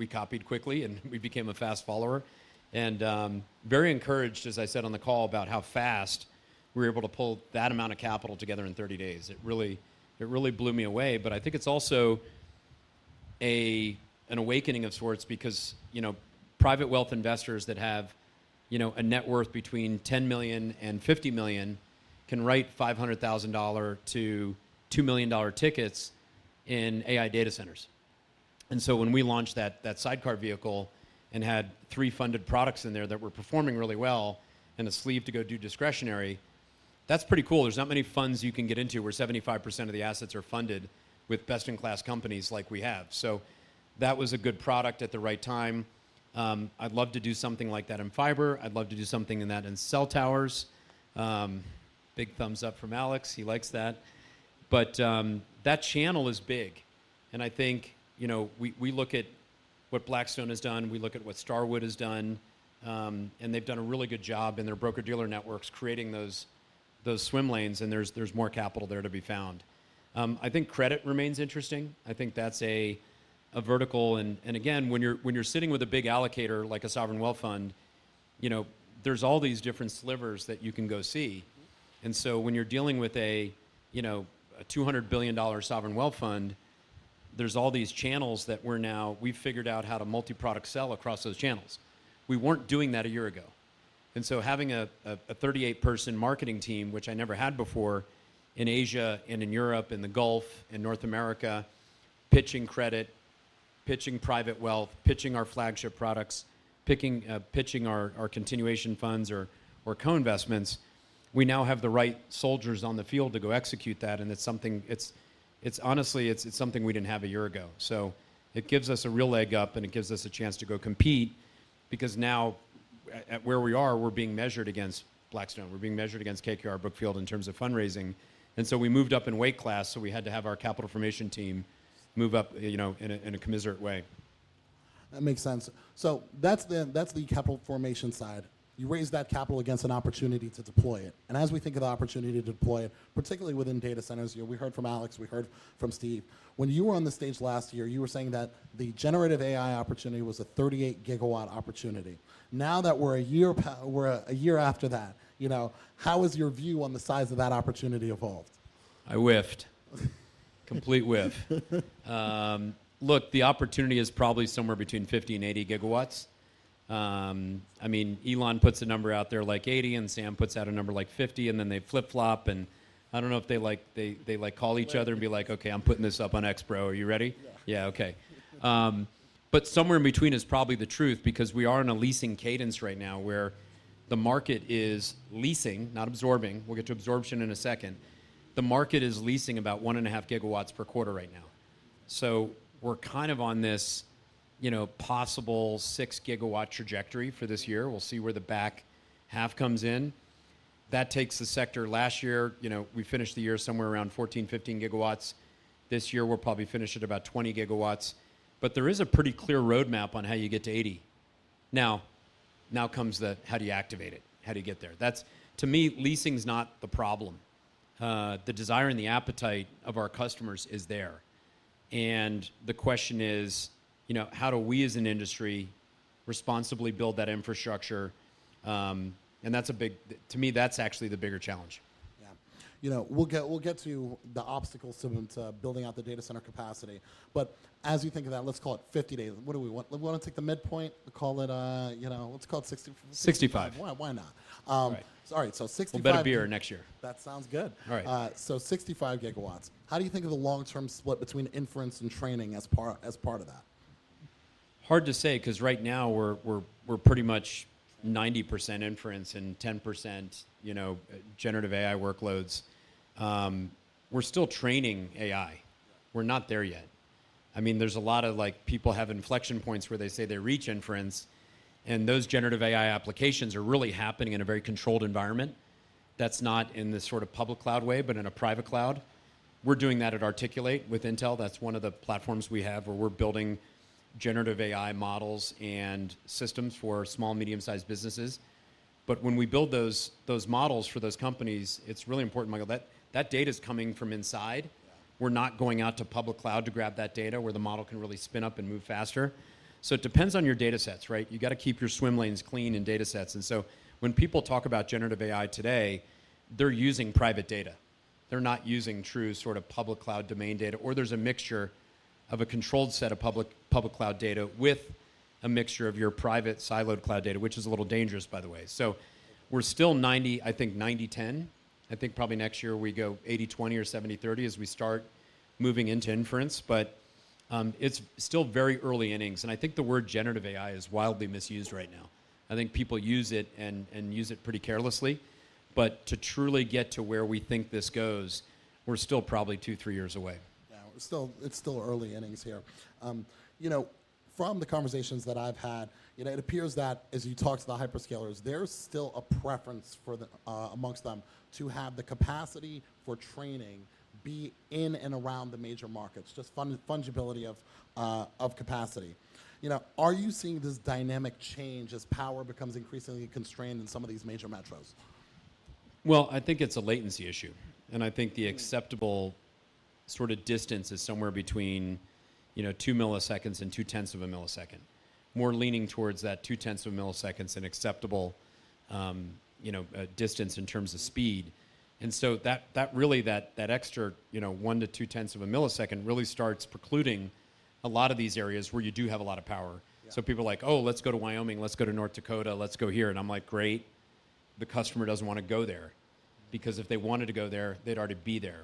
copied quickly, and we became a fast follower. Very encouraged, as I said on the call, about how fast we were able to pull that amount of capital together in 30 days. It really, it really blew me away. But I think it's also an awakening of sorts because, you know, private wealth investors that have, you know, a net worth between $10 million and $50 million can write $500,000-$2 million tickets in AI data centers. And so when we launched that sidecar vehicle and had three funded products in there that were performing really well and a sleeve to go do discretionary, that's pretty cool. There's not many funds you can get into where 75% of the assets are funded with best-in-class companies like we have. So that was a good product at the right time. I'd love to do something like that in fiber. I'd love to do something in cell towers. Big thumbs up from Alex. He likes that. But that channel is big, and I think, you know, we look at what Blackstone has done, we look at what Starwood has done, and they've done a really good job in their broker-dealer networks, creating those swim lanes, and there's more capital there to be found. I think credit remains interesting. I think that's a vertical, and again, when you're sitting with a big allocator, like a sovereign wealth fund, you know, there's all these different slivers that you can go see. Mm-hmm. And so when you're dealing with a, you know, a $200 billion sovereign wealth fund, there's all these channels that we're now—we've figured out how to multi-product sell across those channels. We weren't doing that a year ago. And so having a, a, a 38-person marketing team, which I never had before, in Asia and in Europe, in the Gulf, in North America, pitching credit, pitching private wealth, pitching our flagship products, picking, pitching our, our continuation funds or, or co-investments, we now have the right soldiers on the field to go execute that, and it's something—it's, it's honestly, it's, it's something we didn't have a year ago. So it gives us a real leg up, and it gives us a chance to go compete, because now, at, at where we are, we're being measured against Blackstone. We're being measured against KKR, Brookfield, in terms of fundraising. And so we moved up in weight class, so we had to have our capital formation team move up, you know, in a commensurate way. That makes sense. So that's the, that's the capital formation side. You raise that capital against an opportunity to deploy it, and as we think of the opportunity to deploy it, particularly within data centers, you know, we heard from Alex, we heard from Steve. When you were on the stage last year, you were saying that the generative AI opportunity was a 38 GW opportunity. Now that we're a year after that, you know, how has your view on the size of that opportunity evolved? I whiffed. Complete whiff. Look, the opportunity is probably somewhere between 50 GW and 80 GW. I mean, Elon puts a number out there like 80 GW, and Sam puts out a number like 50 GW, and then they flip-flop, and I don't know if they like, they like, call each other and be like, "Okay, I'm putting this up on X, bro. Are you ready? Yeah. Yeah, okay." But somewhere in between is probably the truth because we are in a leasing cadence right now, where the market is leasing, not absorbing. We'll get to absorption in a second. The market is leasing about 1.5 GW per quarter right now. So we're kind of on this, you know, possible 6 GW trajectory for this year. We'll see where the back half comes in. That takes the sector... Last year, you know, we finished the year somewhere around 14 GW, 15 GW. This year, we'll probably finish at about 20 GW, but there is a pretty clear roadmap on how you get to 80 GW. Now, now comes the: how do you activate it? How do you get there? That's, to me, leasing's not the problem. The desire and the appetite of our customers is there.... The question is, you know, how do we as an industry responsibly build that infrastructure? To me, that's actually the bigger challenge. Yeah. You know, we'll get to the obstacles to building out the data center capacity. But as you think of that, let's call it 50 GW. What do we want? We wanna take the midpoint and call it, you know, let's call it 60 GW- 65 GW. Why, why not? Right. All right, so 65 GW- We'll better be here next year. That sounds good. All right. So 65 GW. How do you think of the long-term split between inference and training as part, as part of that? Hard to say, 'cause right now we're pretty much 90% inference and 10%, you know, generative AI workloads. We're still training AI. We're not there yet. I mean, there's a lot of, like, people have inflection points where they say they reach inference, and those generative AI applications are really happening in a very controlled environment. That's not in the sort of public cloud way, but in a private cloud. We're doing that at Articul8 with Intel. That's one of the platforms we have, where we're building generative AI models and systems for small, medium-sized businesses. But when we build those, those models for those companies, it's really important, Michael, that that data's coming from inside. Yeah. We're not going out to public cloud to grab that data, where the model can really spin up and move faster. So it depends on your datasets, right? You gotta keep your swim lanes clean in datasets. And so when people talk about generative AI today, they're using private data. They're not using true sort of public cloud domain data, or there's a mixture of a controlled set of public, public cloud data with a mixture of your private siloed cloud data, which is a little dangerous, by the way. So we're still 90/10, I think. I think probably next year we go 80/20 or 70/30 as we start moving into inference, but it's still very early innings, and I think the word "generative AI" is wildly misused right now. I think people use it and use it pretty carelessly, but to truly get to where we think this goes, we're still probably 2 years, 3 years away. Yeah, it's still, it's still early innings here. You know, from the conversations that I've had, you know, it appears that as you talk to the hyperscalers, there's still a preference for the amongst them to have the capacity for training be in and around the major markets, just fungibility of capacity. You know, are you seeing this dynamic change as power becomes increasingly constrained in some of these major metros? Well, I think it's a latency issue, and I think the acceptable sort of distance is somewhere between, you know, 2 ms and 0.2 ms. More leaning towards that 0.2 ms is an acceptable, you know, distance in terms of speed. And so that, that really, that, that extra, you know, 0.1 ms-0.2 ms really starts precluding a lot of these areas where you do have a lot of power. Yeah. So people are like: "Oh, let's go to Wyoming, let's go to North Dakota, let's go here." And I'm like: "Great, the customer doesn't want to go there, because if they wanted to go there, they'd already be there."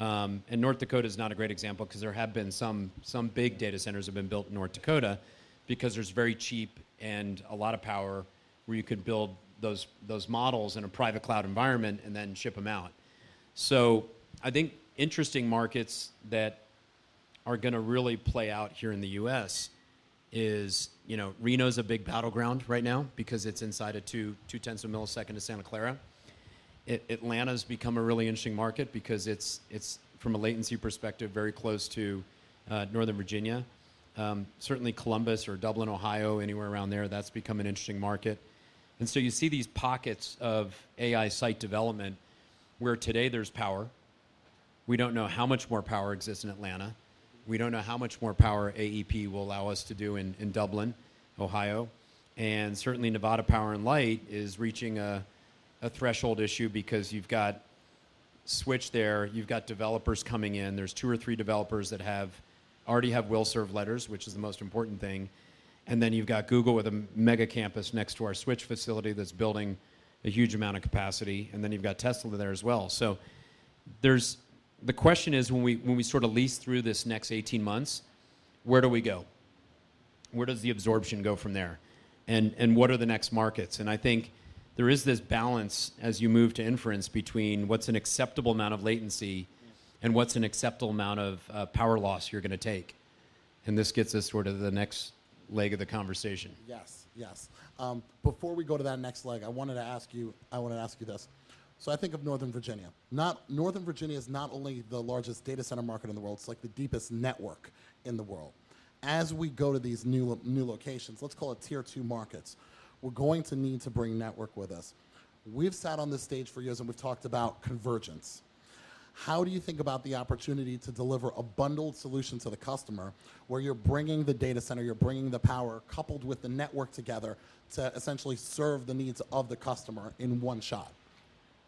And North Dakota is not a great example 'cause there have been some big data centers have been built in North Dakota because there's very cheap and a lot of power where you could build those models in a private cloud environment and then ship them out. So I think interesting markets that are gonna really play out here in the U.S. is, you know, Reno is a big battleground right now because it's inside 0.2 of a millisecond to Santa Clara. Atlanta's become a really interesting market because it's from a latency perspective, very close to Northern Virginia. Certainly Columbus or Dublin, Ohio, anywhere around there, that's become an interesting market. And so you see these pockets of AI site development where today there's power. We don't know how much more power exists in Atlanta. We don't know how much more power AEP will allow us to do in Dublin, Ohio. And certainly, Nevada Power and Light is reaching a threshold issue because you've got Switch there, you've got developers coming in. There's two or three developers that already have will-serve letters, which is the most important thing. And then you've got Google with a mega campus next to our Switch facility that's building a huge amount of capacity, and then you've got Tesla there as well. So there's... The question is, when we sort of lease through this next 18 months, where do we go? Where does the absorption go from there? And what are the next markets? And I think there is this balance as you move to inference between what's an acceptable amount of latency and what's an acceptable amount of, power loss you're gonna take. And this gets us sort of the next leg of the conversation. Yes, yes. Before we go to that next leg, I wanted to ask you, I wanna ask you this: So I think of Northern Virginia. Northern Virginia is not only the largest data center market in the world, it's like the deepest network in the world. As we go to these new locations, let's call it Tier II markets, we're going to need to bring network with us. We've sat on this stage for years, and we've talked about convergence. How do you think about the opportunity to deliver a bundled solution to the customer, where you're bringing the data center, you're bringing the power, coupled with the network together, to essentially serve the needs of the customer in one shot?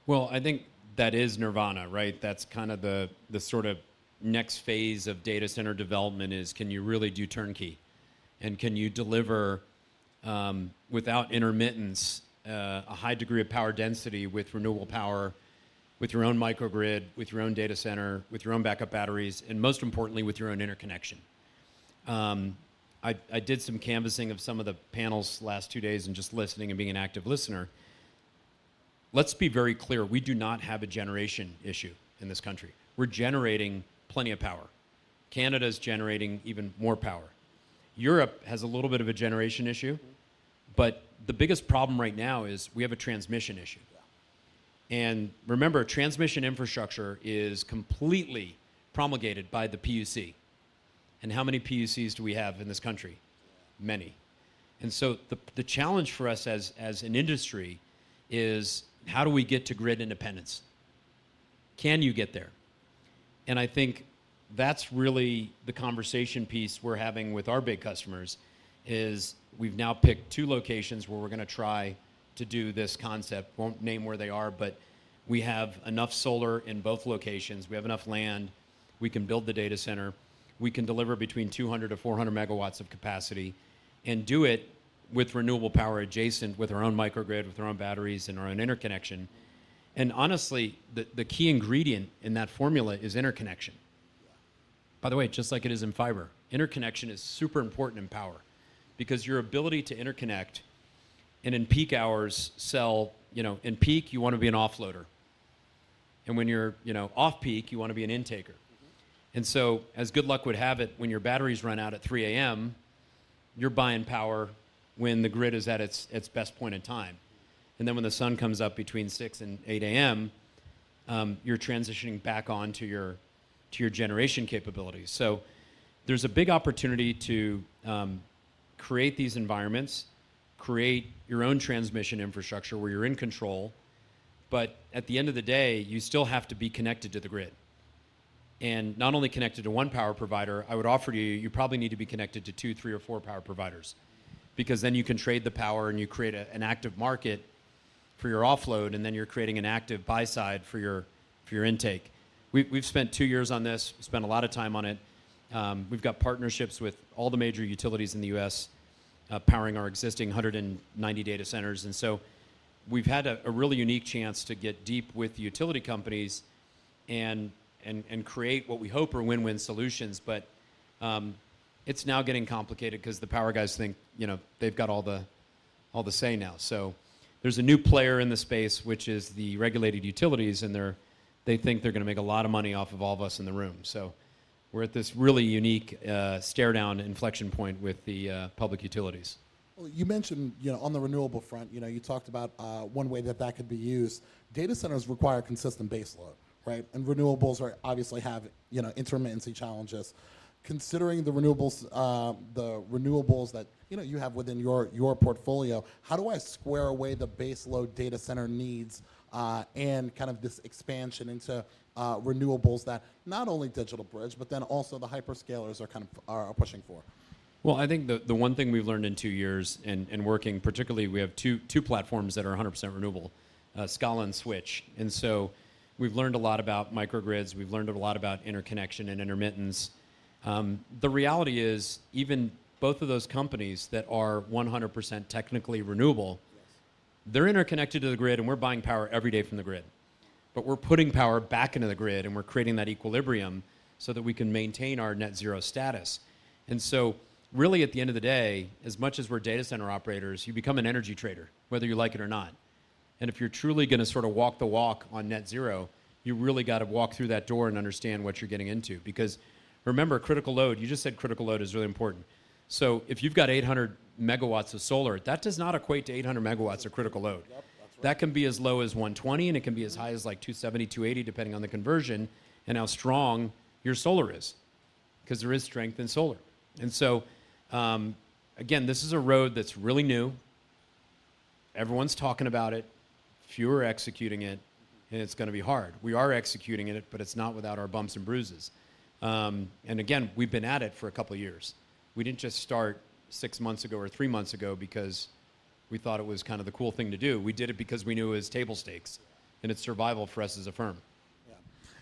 Well, I think that is nirvana, right? That's kind of the sort of next phase of data center development is: Can you really do turnkey? And can you deliver without intermittence a high degree of power density with renewable power, with your own microgrid, with your own data center, with your own backup batteries, and most importantly, with your own interconnection? I did some canvassing of some of the panels the last two days and just listening and being an active listener. Let's be very clear: We do not have a generation issue in this country. We're generating plenty of power. Canada is generating even more power. Europe has a little bit of a generation issue, but the biggest problem right now is we have a transmission issue. Yeah. And remember, transmission infrastructure is completely promulgated by the PUC. And how many PUCs do we have in this country? Many. And so the challenge for us as an industry is: how do we get to grid independence? Can you get there? And I think that's really the conversation piece we're having with our big customers, is we've now picked two locations where we're going to try to do this concept. Won't name where they are, but we have enough solar in both locations, we have enough land, we can build the data center, we can deliver between 200 MW-400 MW of capacity and do it with renewable power adjacent, with our own microgrid, with our own batteries, and our own interconnection. And honestly, the key ingredient in that formula is interconnection. By the way, just like it is in fiber, interconnection is super important in power, because your ability to interconnect and in peak hours, sell... You know, in peak, you want to be an offloader. And when you're, you know, off-peak, you want to be an intaker. And so as good luck would have it, when your batteries run out at 3:00 A.M., you're buying power when the grid is at its, its best point in time, and then when the sun comes up between 6:00 and 8:00 A.M., you're transitioning back on to your, to your generation capabilities. So there's a big opportunity to create these environments, create your own transmission infrastructure where you're in control. But at the end of the day, you still have to be connected to the grid. Not only connected to one power provider, I would offer to you, you probably need to be connected to two, three, or four power providers, because then you can trade the power and you create an active market for your offload, and then you're creating an active buy side for your, for your intake. We've spent 2 years on this. We spent a lot of time on it. We've got partnerships with all the major utilities in the U.S., powering our existing 190 data centers. And so we've had a really unique chance to get deep with the utility companies and create what we hope are win-win solutions. But it's now getting complicated because the power guys think, you know, they've got all the say now. So there's a new player in the space, which is the regulated utilities, and they think they're going to make a lot of money off of all of us in the room. So we're at this really unique stare down inflection point with the public utilities. Well, you mentioned, you know, on the renewable front, you know, you talked about, one way that that could be used. Data centers require consistent baseload, right? And renewables are obviously have, you know, intermittency challenges. Considering the renewables, the renewables that, you know, you have within your, your portfolio, how do I square away the baseload data center needs, and kind of this expansion into, renewables that not only DigitalBridge, but then also the hyperscalers are kind of- are, are pushing for? Well, I think the one thing we've learned in 2 years in working particularly, we have two platforms that are 100% renewable, Scala and Switch. And so we've learned a lot about microgrids, we've learned a lot about interconnection and intermittency. The reality is, even both of those companies that are 100% technically renewable- Yes... they're interconnected to the grid, and we're buying power every day from the grid, but we're putting power back into the grid, and we're creating that equilibrium so that we can maintain our net zero status. And so really, at the end of the day, as much as we're data center operators, you become an energy trader, whether you like it or not. And if you're truly going to sort of walk the walk on net zero, you really got to walk through that door and understand what you're getting into. Because remember, critical load, you just said critical load is really important. So if you've got 800 MW of solar, that does not equate to 800 MW of critical load. That can be as low as 1.20, and it can be as high as, like, 2.70-2.80, depending on the conversion and how strong your solar is, because there is strength in solar. Again, this is a road that's really new. Everyone's talking about it, few are executing it, and it's going to be hard. We are executing it, but it's not without our bumps and bruises. And again, we've been at it for a couple of years. We didn't just start six months ago or three months ago because we thought it was kind of the cool thing to do. We did it because we knew it was table stakes, and it's survival for us as a firm. Yeah.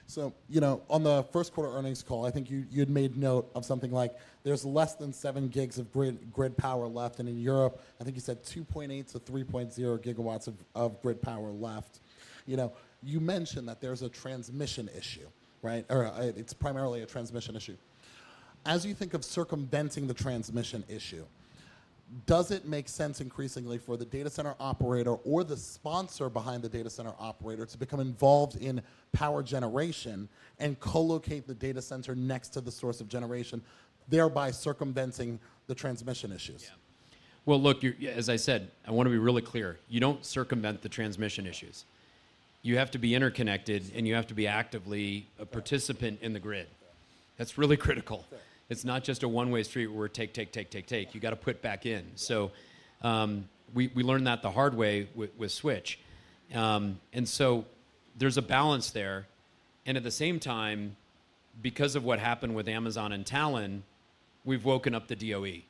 So, you know, on the first quarter earnings call, I think you had made note of something like there's less than 7 GW of grid power left, and in Europe, I think you said 2.8 GW-3.0 GW of grid power left. You know, you mentioned that there's a transmission issue, right? Or, it's primarily a transmission issue. As you think of circumventing the transmission issue, does it make sense increasingly for the data center operator or the sponsor behind the data center operator to become involved in power generation and co-locate the data center next to the source of generation, thereby circumventing the transmission issues? Yeah. Well, look, as I said, I want to be really clear: you don't circumvent the transmission issues. You have to be interconnected, and you have to be actively a participant in the grid. Right. That's really critical. Right. It's not just a one-way street where take, take, take, take, take. You've got to put back in. We learned that the hard way with Switch. So there's a balance there, and at the same time, because of what happened with Amazon and Talen, we've woken up the DOE,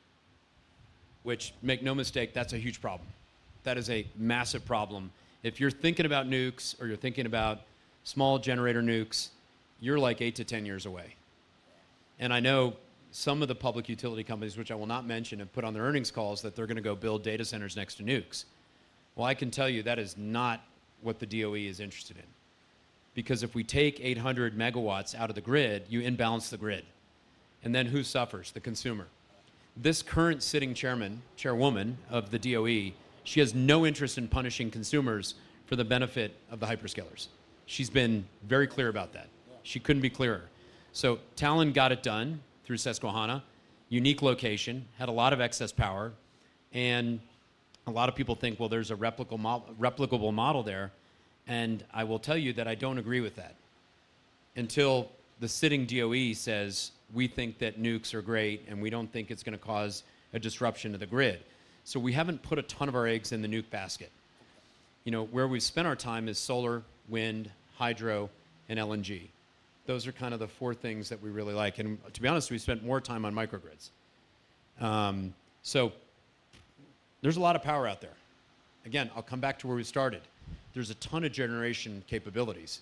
which, make no mistake, that's a huge problem. That is a massive problem. If you're thinking about nukes or you're thinking about small generator nukes, you're like 8 years-10 years away. And I know some of the public utility companies, which I will not mention, have put on their earnings calls that they're going to go build data centers next to nukes. Well, I can tell you that is not what the DOE is interested in, because if we take 800 megawatts out of the grid, you imbalance the grid, and then who suffers? The consumer. This current sitting chairman-chairwoman of the DOE, she has no interest in punishing consumers for the benefit of the hyperscalers. She's been very clear about that. Yeah. She couldn't be clearer. So Talen got it done through Susquehanna, unique location, had a lot of excess power, and a lot of people think, well, there's a replicable model there, and I will tell you that I don't agree with that until the sitting DOE says, "We think that nukes are great, and we don't think it's going to cause a disruption to the grid." So we haven't put a ton of our eggs in the nuke basket. You know, where we've spent our time is solar, wind, hydro, and LNG. Those are kind of the four things that we really like, and to be honest, we've spent more time on microgrids. So there's a lot of power out there. Again, I'll come back to where we started. There's a ton of generation capabilities.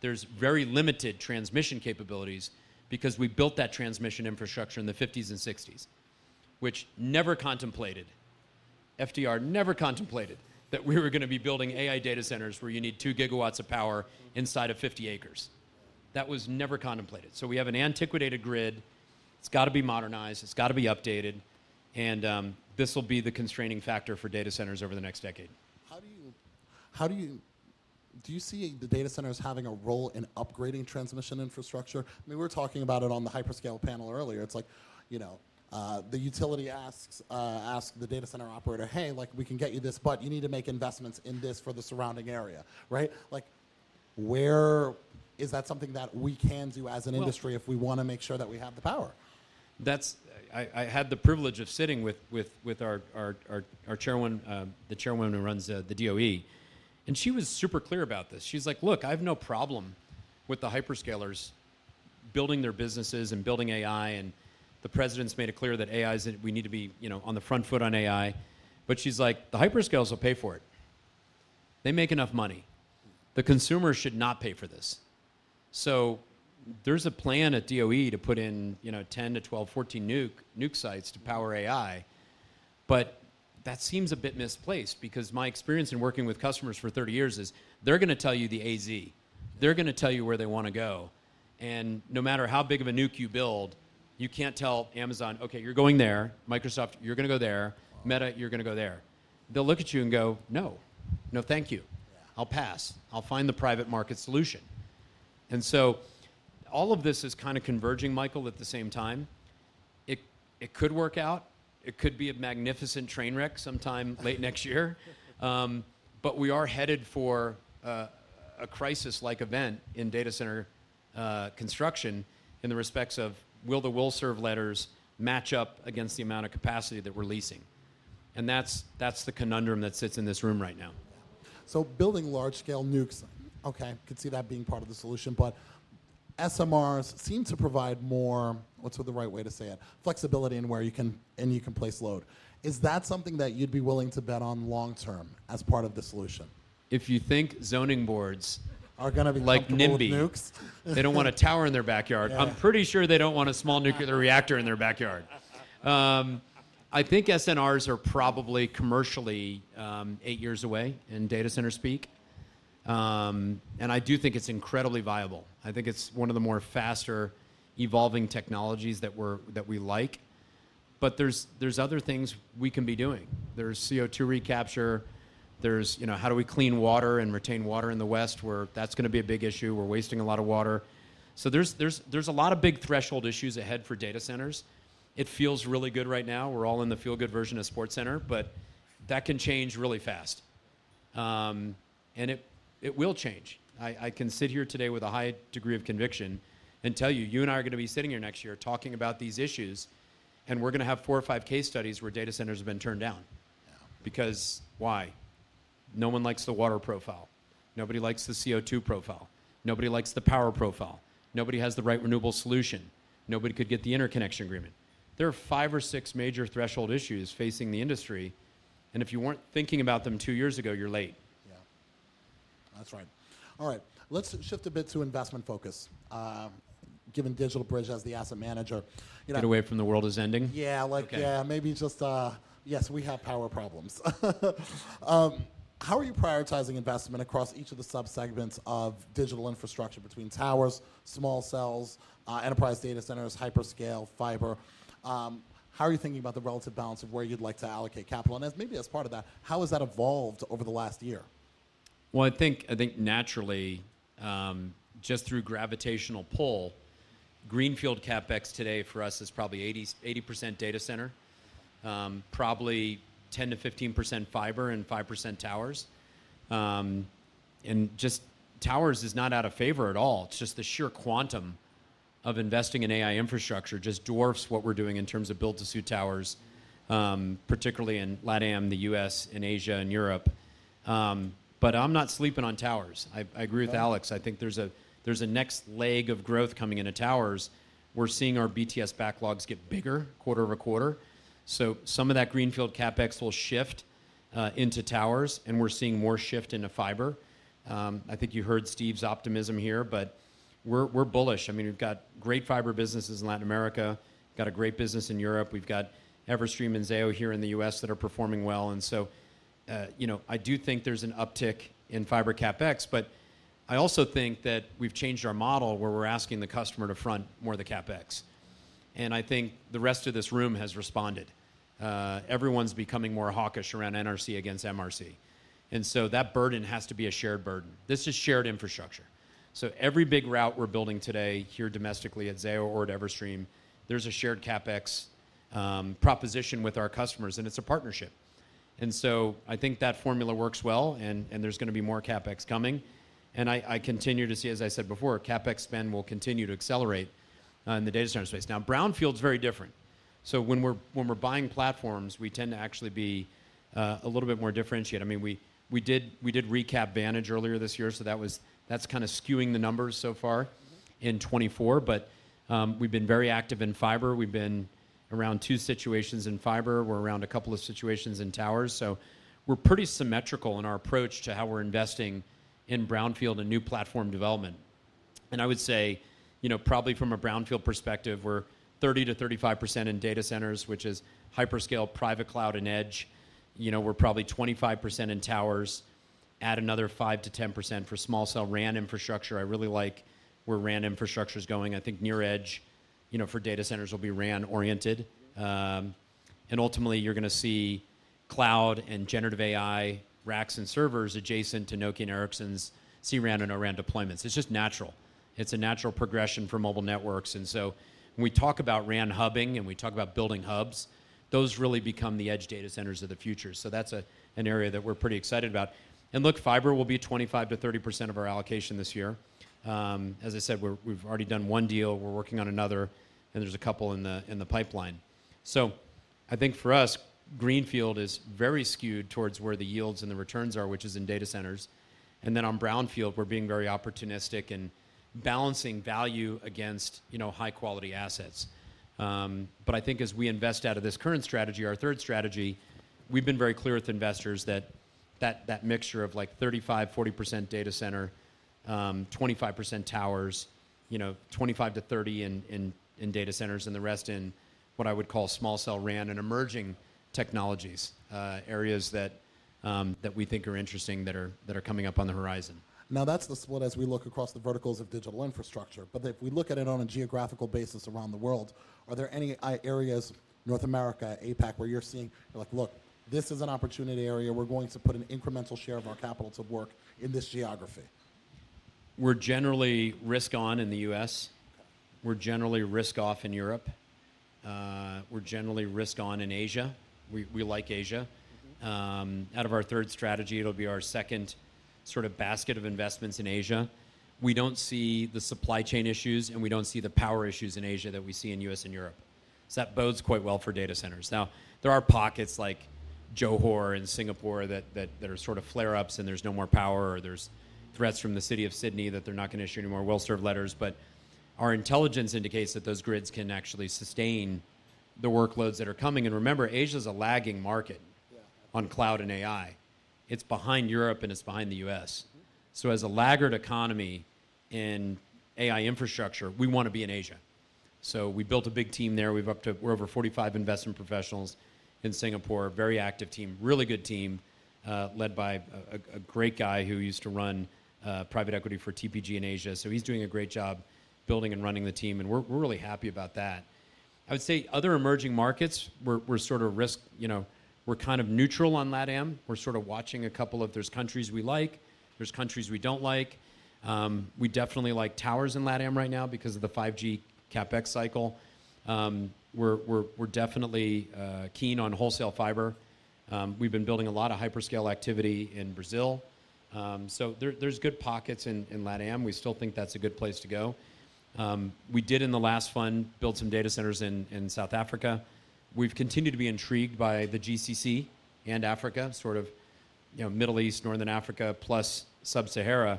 There's very limited transmission capabilities because we built that transmission infrastructure in the 1950s and 1960s, which never contemplated, FDR never contemplated that we were going to be building AI data centers where you need 2 GW of power inside of 50 acres. That was never contemplated. So we have an antiquated grid. It's got to be modernized, it's got to be updated, and this will be the constraining factor for data centers over the next decade. How do you see the data centers having a role in upgrading transmission infrastructure? I mean, we were talking about it on the hyperscale panel earlier. It's like, you know, the utility asks the data center operator, "Hey, like, we can get you this, but you need to make investments in this for the surrounding area," right? Like, where... Is that something that we can do as an industry- Well- If we want to make sure that we have the power? That's I had the privilege of sitting with our chairwoman, the chairwoman who runs the DOE, and she was super clear about this. She's like: Look, I have no problem with the hyperscalers building their businesses and building AI, and the President's made it clear that AI is, we need to be, you know, on the front foot on AI. But she's like: The hyperscalers will pay for it. They make enough money. The consumer should not pay for this. So there's a plan at DOE to put in, you know, 10 to 12, 14 nuke sites to power AI, but that seems a bit misplaced because my experience in working with customers for 30 years is they're going to tell you the AZ. They're going to tell you where they want to go, and no matter how big of a nuke you build, you can't tell Amazon, "Okay, you're going there. Microsoft, you're going to go there. Meta, you're going to go there." They'll look at you and go, "No. No, thank you. I'll pass. I'll find the private market solution." And so all of this is kind of converging, Michael, at the same time. It, it could work out. It could be a magnificent train wreck sometime late next year. But we are headed for a crisis-like event in data center construction in the respects of will the will-serve letters match up against the amount of capacity that we're leasing? And that's, that's the conundrum that sits in this room right now. So, building large-scale nukes, okay, could see that being part of the solution, but SMRs seem to provide more, what's the right way to say it? Flexibility in where you can, and you can place load. Is that something that you'd be willing to bet on long term as part of the solution? If you think zoning boards- Are going to be comfortable with nukes? like NIMBY, they don't want a tower in their backyard. Yeah. I'm pretty sure they don't want a small nuclear reactor in their backyard. I think SMRs are probably commercially, 8 years away in data center speak. And I do think it's incredibly viable. I think it's one of the more faster evolving technologies that we like. But there's other things we can be doing. There's CO2 recapture, there's, you know, how do we clean water and retain water in the West, where that's going to be a big issue. We're wasting a lot of water. So there's a lot of big threshold issues ahead for data centers. It feels really good right now. We're all in the feel-good version of SportsCenter, but that can change really fast. And it will change. I can sit here today with a high degree of conviction and tell you, you and I are going to be sitting here next year talking about these issues, and we're going to have four or five case studies where data centers have been turned down. Yeah. Because why? No one likes the water profile. Nobody likes the CO2 profile. Nobody likes the power profile. Nobody has the right renewable solution. Nobody could get the interconnection agreement. There are five or six major threshold issues facing the industry, and if you weren't thinking about them 2 years ago, you're late. Yeah. That's right. All right, let's shift a bit to investment focus. Given DigitalBridge as the asset manager, you know- Get away from the world is ending? Yeah, like- Okay.... yeah, maybe just... Yes, we have power problems. How are you prioritizing investment across each of the subsegments of digital infrastructure between small cells, enterprise data centers, hyperscale, fiber? How are you thinking about the relative balance of where you'd like to allocate capital? And as, maybe as part of that, how has that evolved over the last year? Well, I think, I think naturally, just through gravitational pull, greenfield CapEx today for us is probably 80% data center, probably 10%-15% fiber and 5% towers. And just towers is not out of favor at all. It's just the sheer quantum of investing in AI infrastructure just dwarfs what we're doing in terms of build-to-suit towers, particularly in LatAm, the U.S., and Asia, and Europe. But I'm not sleeping on towers. I agree with Alex. I think there's a next leg of growth coming into towers. We're seeing our BTS backlogs get bigger quarter-over-quarter, so some of that greenfield CapEx will shift into towers, and we're seeing more shift into fiber. I think you heard Steve's optimism here, but we're bullish. I mean, we've got great fiber businesses in Latin America, got a great business in Europe. We've got Everstream and Zayo here in the U.S. that are performing well, and so, you know, I do think there's an uptick in fiber CapEx, but I also think that we've changed our model, where we're asking the customer to front more of the CapEx. And I think the rest of this room has responded. Everyone's becoming more hawkish around NRC against MRC, and so that burden has to be a shared burden. This is shared infrastructure, so every big route we're building today here domestically at Zayo or at Everstream, there's a shared CapEx proposition with our customers, and it's a partnership. And so I think that formula works well, and there's gonna be more CapEx coming. And I continue to see, as I said before, CapEx spend will continue to accelerate in the data center space. Now, brownfield's very different. So when we're buying platforms, we tend to actually be a little bit more differentiated. I mean, we did recap Vantage earlier this year, so that was-that's kind of skewing the numbers so far in 2024. But we've been very active in fiber. We've been around two situations in fiber. We're around a couple of situations in towers. We're pretty symmetrical in our approach to how we're investing in brownfield and new platform development. I would say, you know, probably from a brownfield perspective, we're 30%-35% in data centers, which is hyperscale, private cloud, and edge. You know, we're probably 25% in towers. Add another 5%-10% small cell RAN infrastructure. I really like where RAN infrastructure is going. I think near edge, you know, for data centers will be RAN-oriented. Ultimately, you're gonna see cloud and generative AI racks and servers adjacent to Nokia and Ericsson's C-RAN and O-RAN deployments. It's just natural. It's a natural progression for mobile networks. When we talk about RAN hubbing, and we talk about building hubs, those really become the edge data centers of the future. That's an area that we're pretty excited about. Look, fiber will be 25%-30% of our allocation this year. As I said, we've already done one deal, we're working on another, and there's a couple in the pipeline. So I think for us, greenfield is very skewed towards where the yields and the returns are, which is in data centers, and then on brownfield, we're being very opportunistic and balancing value against, you know, high-quality assets. But I think as we invest out of this current strategy, our third strategy, we've been very clear with investors that that mixture of, like, 35-40% data center, 25% towers, you know, 25-30 in data centers, and the rest in what I would small cell RAN and emerging technologies, areas that we think are interesting that are coming up on the horizon. Now, that's the split as we look across the verticals of digital infrastructure, but if we look at it on a geographical basis around the world, are there any areas, North America, APAC, where you're seeing, like, "Look, this is an opportunity area. We're going to put an incremental share of our capital to work in this geography? We're generally risk on in the U.S. We're generally risk off in Europe. We're generally risk on in Asia. We like Asia. Mm-hmm. out of our third strategy, it'll be our second sort of basket of investments in Asia. We don't see the supply chain issues, and we don't see the power issues in Asia that we see in U.S. and Europe, so that bodes quite well for data centers. Now, there are pockets like Johor and Singapore that there are sort of flare-ups, and there's no more power, or there's threats from the city of Sydney that they're not gonna issue any more will-serve letters, but our intelligence indicates that those grids can actually sustain the workloads that are coming. And remember, Asia's a lagging market- Yeah... on cloud and AI. It's behind Europe, and it's behind the U.S. So as a laggard economy in AI infrastructure, we want to be in Asia. So we built a big team there. We've up to... We're over 45 investment professionals in Singapore. Very active team, really good team, led by a great guy who used to run private equity for TPG in Asia. So he's doing a great job building and running the team, and we're really happy about that. I would say other emerging markets, we're sort of risk... You know, we're kind of neutral on LatAm. We're sort of watching a couple of- there's countries we like, there's countries we don't like. We definitely like towers in LatAm right now because of the 5G CapEx cycle. We're definitely keen on wholesale fiber. We've been building a lot of hyperscale activity in Brazil. So there's good pockets in LatAm. We still think that's a good place to go. We did, in the last fund, build some data centers in South Africa. We've continued to be intrigued by the GCC and Africa, sort of, you know, Middle East, Northern Africa, plus Sub-Saharan.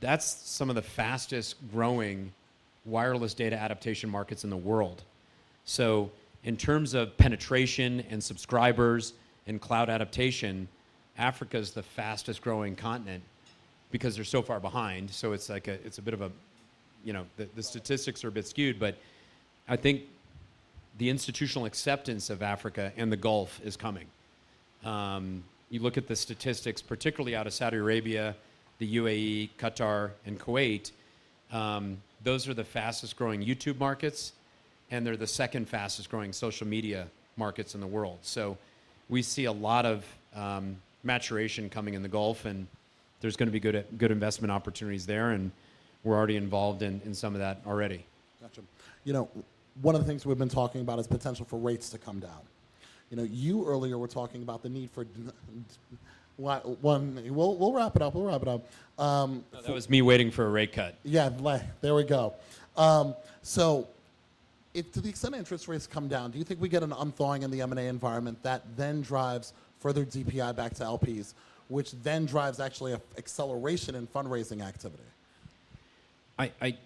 That's some of the fastest-growing wireless data adoption markets in the world. So in terms of penetration and subscribers and cloud adoption, Africa is the fastest-growing continent because they're so far behind, so it's like a bit of a, you know, the-... the statistics are a bit skewed, but I think the institutional acceptance of Africa and the Gulf is coming. You look at the statistics, particularly out of Saudi Arabia, the UAE, Qatar, and Kuwait, those are the fastest-growing YouTube markets, and they're the second fastest-growing social media markets in the world. So we see a lot of maturation coming in the Gulf, and there's gonna be good investment opportunities there, and we're already involved in some of that already. Gotcha. You know, one of the things we've been talking about is potential for rates to come down. You know, you earlier were talking about the need for... We'll, we'll wrap it up, we'll wrap it up. That was me waiting for a rate cut. Yeah, there we go. So if some interest rates come down, do you think we get an unthawing in the M&A environment that then drives further DPI back to LPs, which then drives actually a acceleration in fundraising activity? I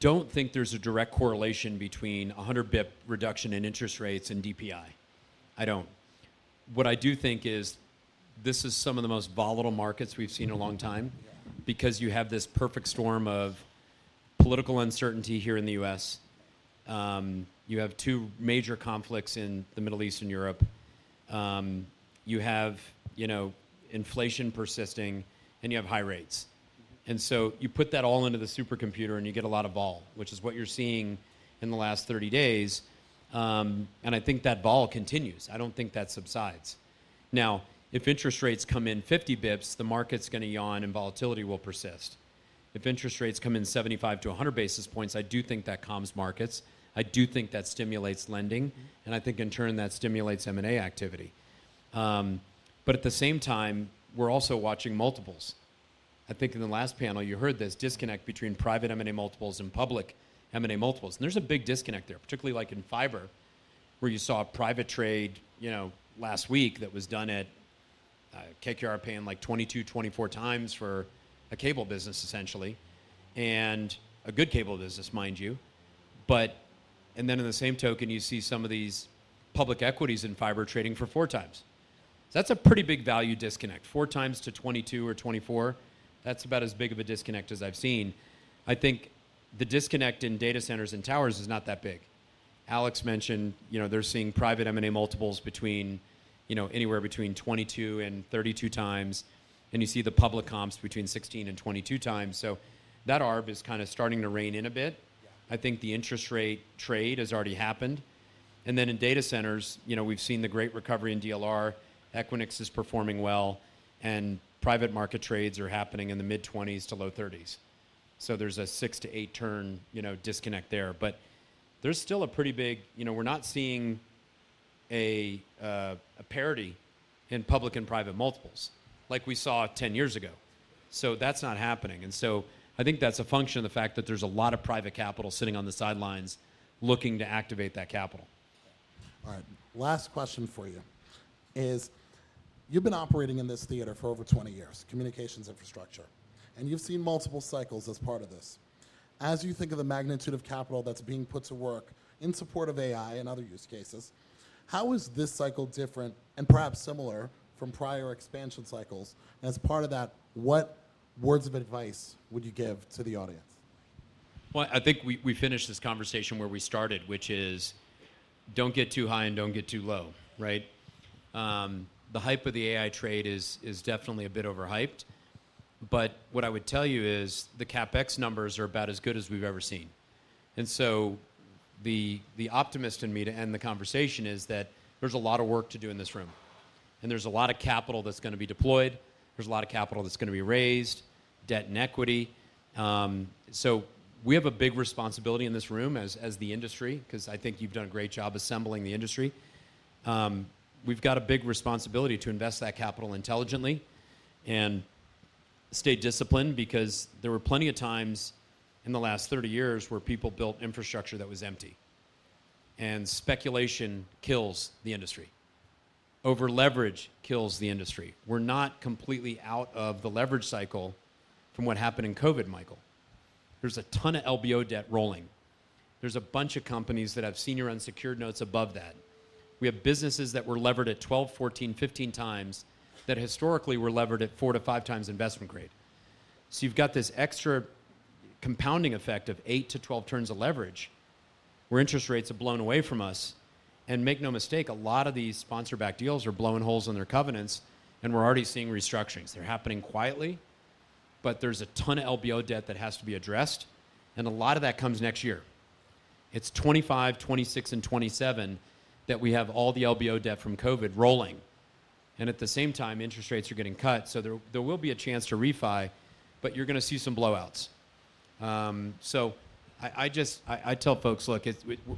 don't think there's a direct correlation between a 100 basis points reduction in interest rates and DPI. I don't. What I do think is this is some of the most volatile markets we've seen in a long time-... because you have this perfect storm of political uncertainty here in the U.S. You have two major conflicts in the Middle East and Europe. You have, you know, inflation persisting, and you have high rates. And so you put that all into the supercomputer, and you get a lot of vol, which is what you're seeing in the last 30 days. And I think that vol continues. I don't think that subsides. Now, if interest rates come in 50 basis points, the market's gonna yawn, and volatility will persist. If interest rates come in 75 to 100 basis points, I do think that calms markets, I do think that stimulates lending, and I think in turn, that stimulates M&A activity. But at the same time, we're also watching multiples. I think in the last panel you heard this disconnect between private M&A multiples and public M&A multiples, and there's a big disconnect there, particularly like in fiber, where you saw a private trade, you know, last week that was done at KKR paying like 22x-24x for a cable business, essentially. And a good cable business, mind you, but and then in the same token, you see some of these public equities in fiber trading for 4x. So that's a pretty big value disconnect. 4x to 22 or 24, that's about as big of a disconnect as I've seen. I think the disconnect in data centers and towers is not that big. Alex mentioned, you know, they're seeing private M&A multiples between, you know, anywhere between 22x and 32x, and you see the public comps between 16x and 22x. That arb is kind of starting to rein in a bit. Yeah. I think the interest rate trade has already happened, and then in data centers, you know, we've seen the great recovery in DLR. Equinix is performing well, and private market trades are happening in the mid-20s to low 30s. So there's a 6 to 8 turn, you know, disconnect there. But there's still a pretty big... You know, we're not seeing a, a parity in public and private multiples like we saw 10 years ago. So that's not happening, and so I think that's a function of the fact that there's a lot of private capital sitting on the sidelines looking to activate that capital. All right, last question for you is: you've been operating in this theater for over 20 years, communications infrastructure, and you've seen multiple cycles as part of this. As you think of the magnitude of capital that's being put to work in support of AI and other use cases, how is this cycle different and perhaps similar from prior expansion cycles? And as part of that, what words of advice would you give to the audience? Well, I think we finished this conversation where we started, which is, "Don't get too high and don't get too low," right? The hype of the AI trade is definitely a bit overhyped, but what I would tell you is the CapEx numbers are about as good as we've ever seen. And so the optimist in me, to end the conversation, is that there's a lot of work to do in this room, and there's a lot of capital that's gonna be deployed. There's a lot of capital that's gonna be raised, debt and equity. So we have a big responsibility in this room as the industry, 'cause I think you've done a great job assembling the industry. We've got a big responsibility to invest that capital intelligently and stay disciplined, because there were plenty of times in the last 30 years where people built infrastructure that was empty, and speculation kills the industry. Over-leverage kills the industry. We're not completely out of the leverage cycle from what happened in COVID, Michael. There's a ton of LBO debt rolling. There's a bunch of companies that have senior unsecured notes above that. We have businesses that were levered at 12x, 14x, 15x that historically were levered at 4x-5x investment grade. So you've got this extra compounding effect of 8 to 12 turns of leverage, where interest rates have blown away from us. And make no mistake, a lot of these sponsor-backed deals are blowing holes in their covenants, and we're already seeing restructurings. They're happening quietly, but there's a ton of LBO debt that has to be addressed, and a lot of that comes next year. It's 2025, 2026, and 2027 that we have all the LBO debt from COVID rolling, and at the same time, interest rates are getting cut, so there will be a chance to refi, but you're gonna see some blowouts. So I tell folks, "Look,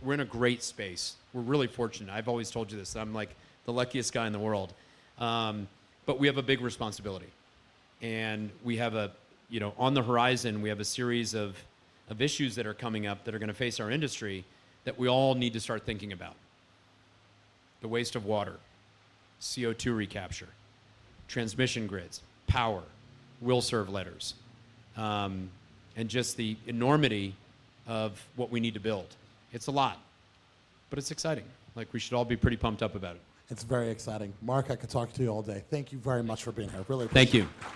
we're in a great space. We're really fortunate." I've always told you this, that I'm, like, the luckiest guy in the world. But we have a big responsibility, and we have a... You know, on the horizon, we have a series of issues that are coming up that are gonna face our industry that we all need to start thinking about. The waste of water, CO2 recapture, transmission grids, power, will-serve letters, and just the enormity of what we need to build. It's a lot, but it's exciting, like, we should all be pretty pumped up about it. It's very exciting. Marc, I could talk to you all day. Thank you very much for being here. I really appreciate it. Thank you.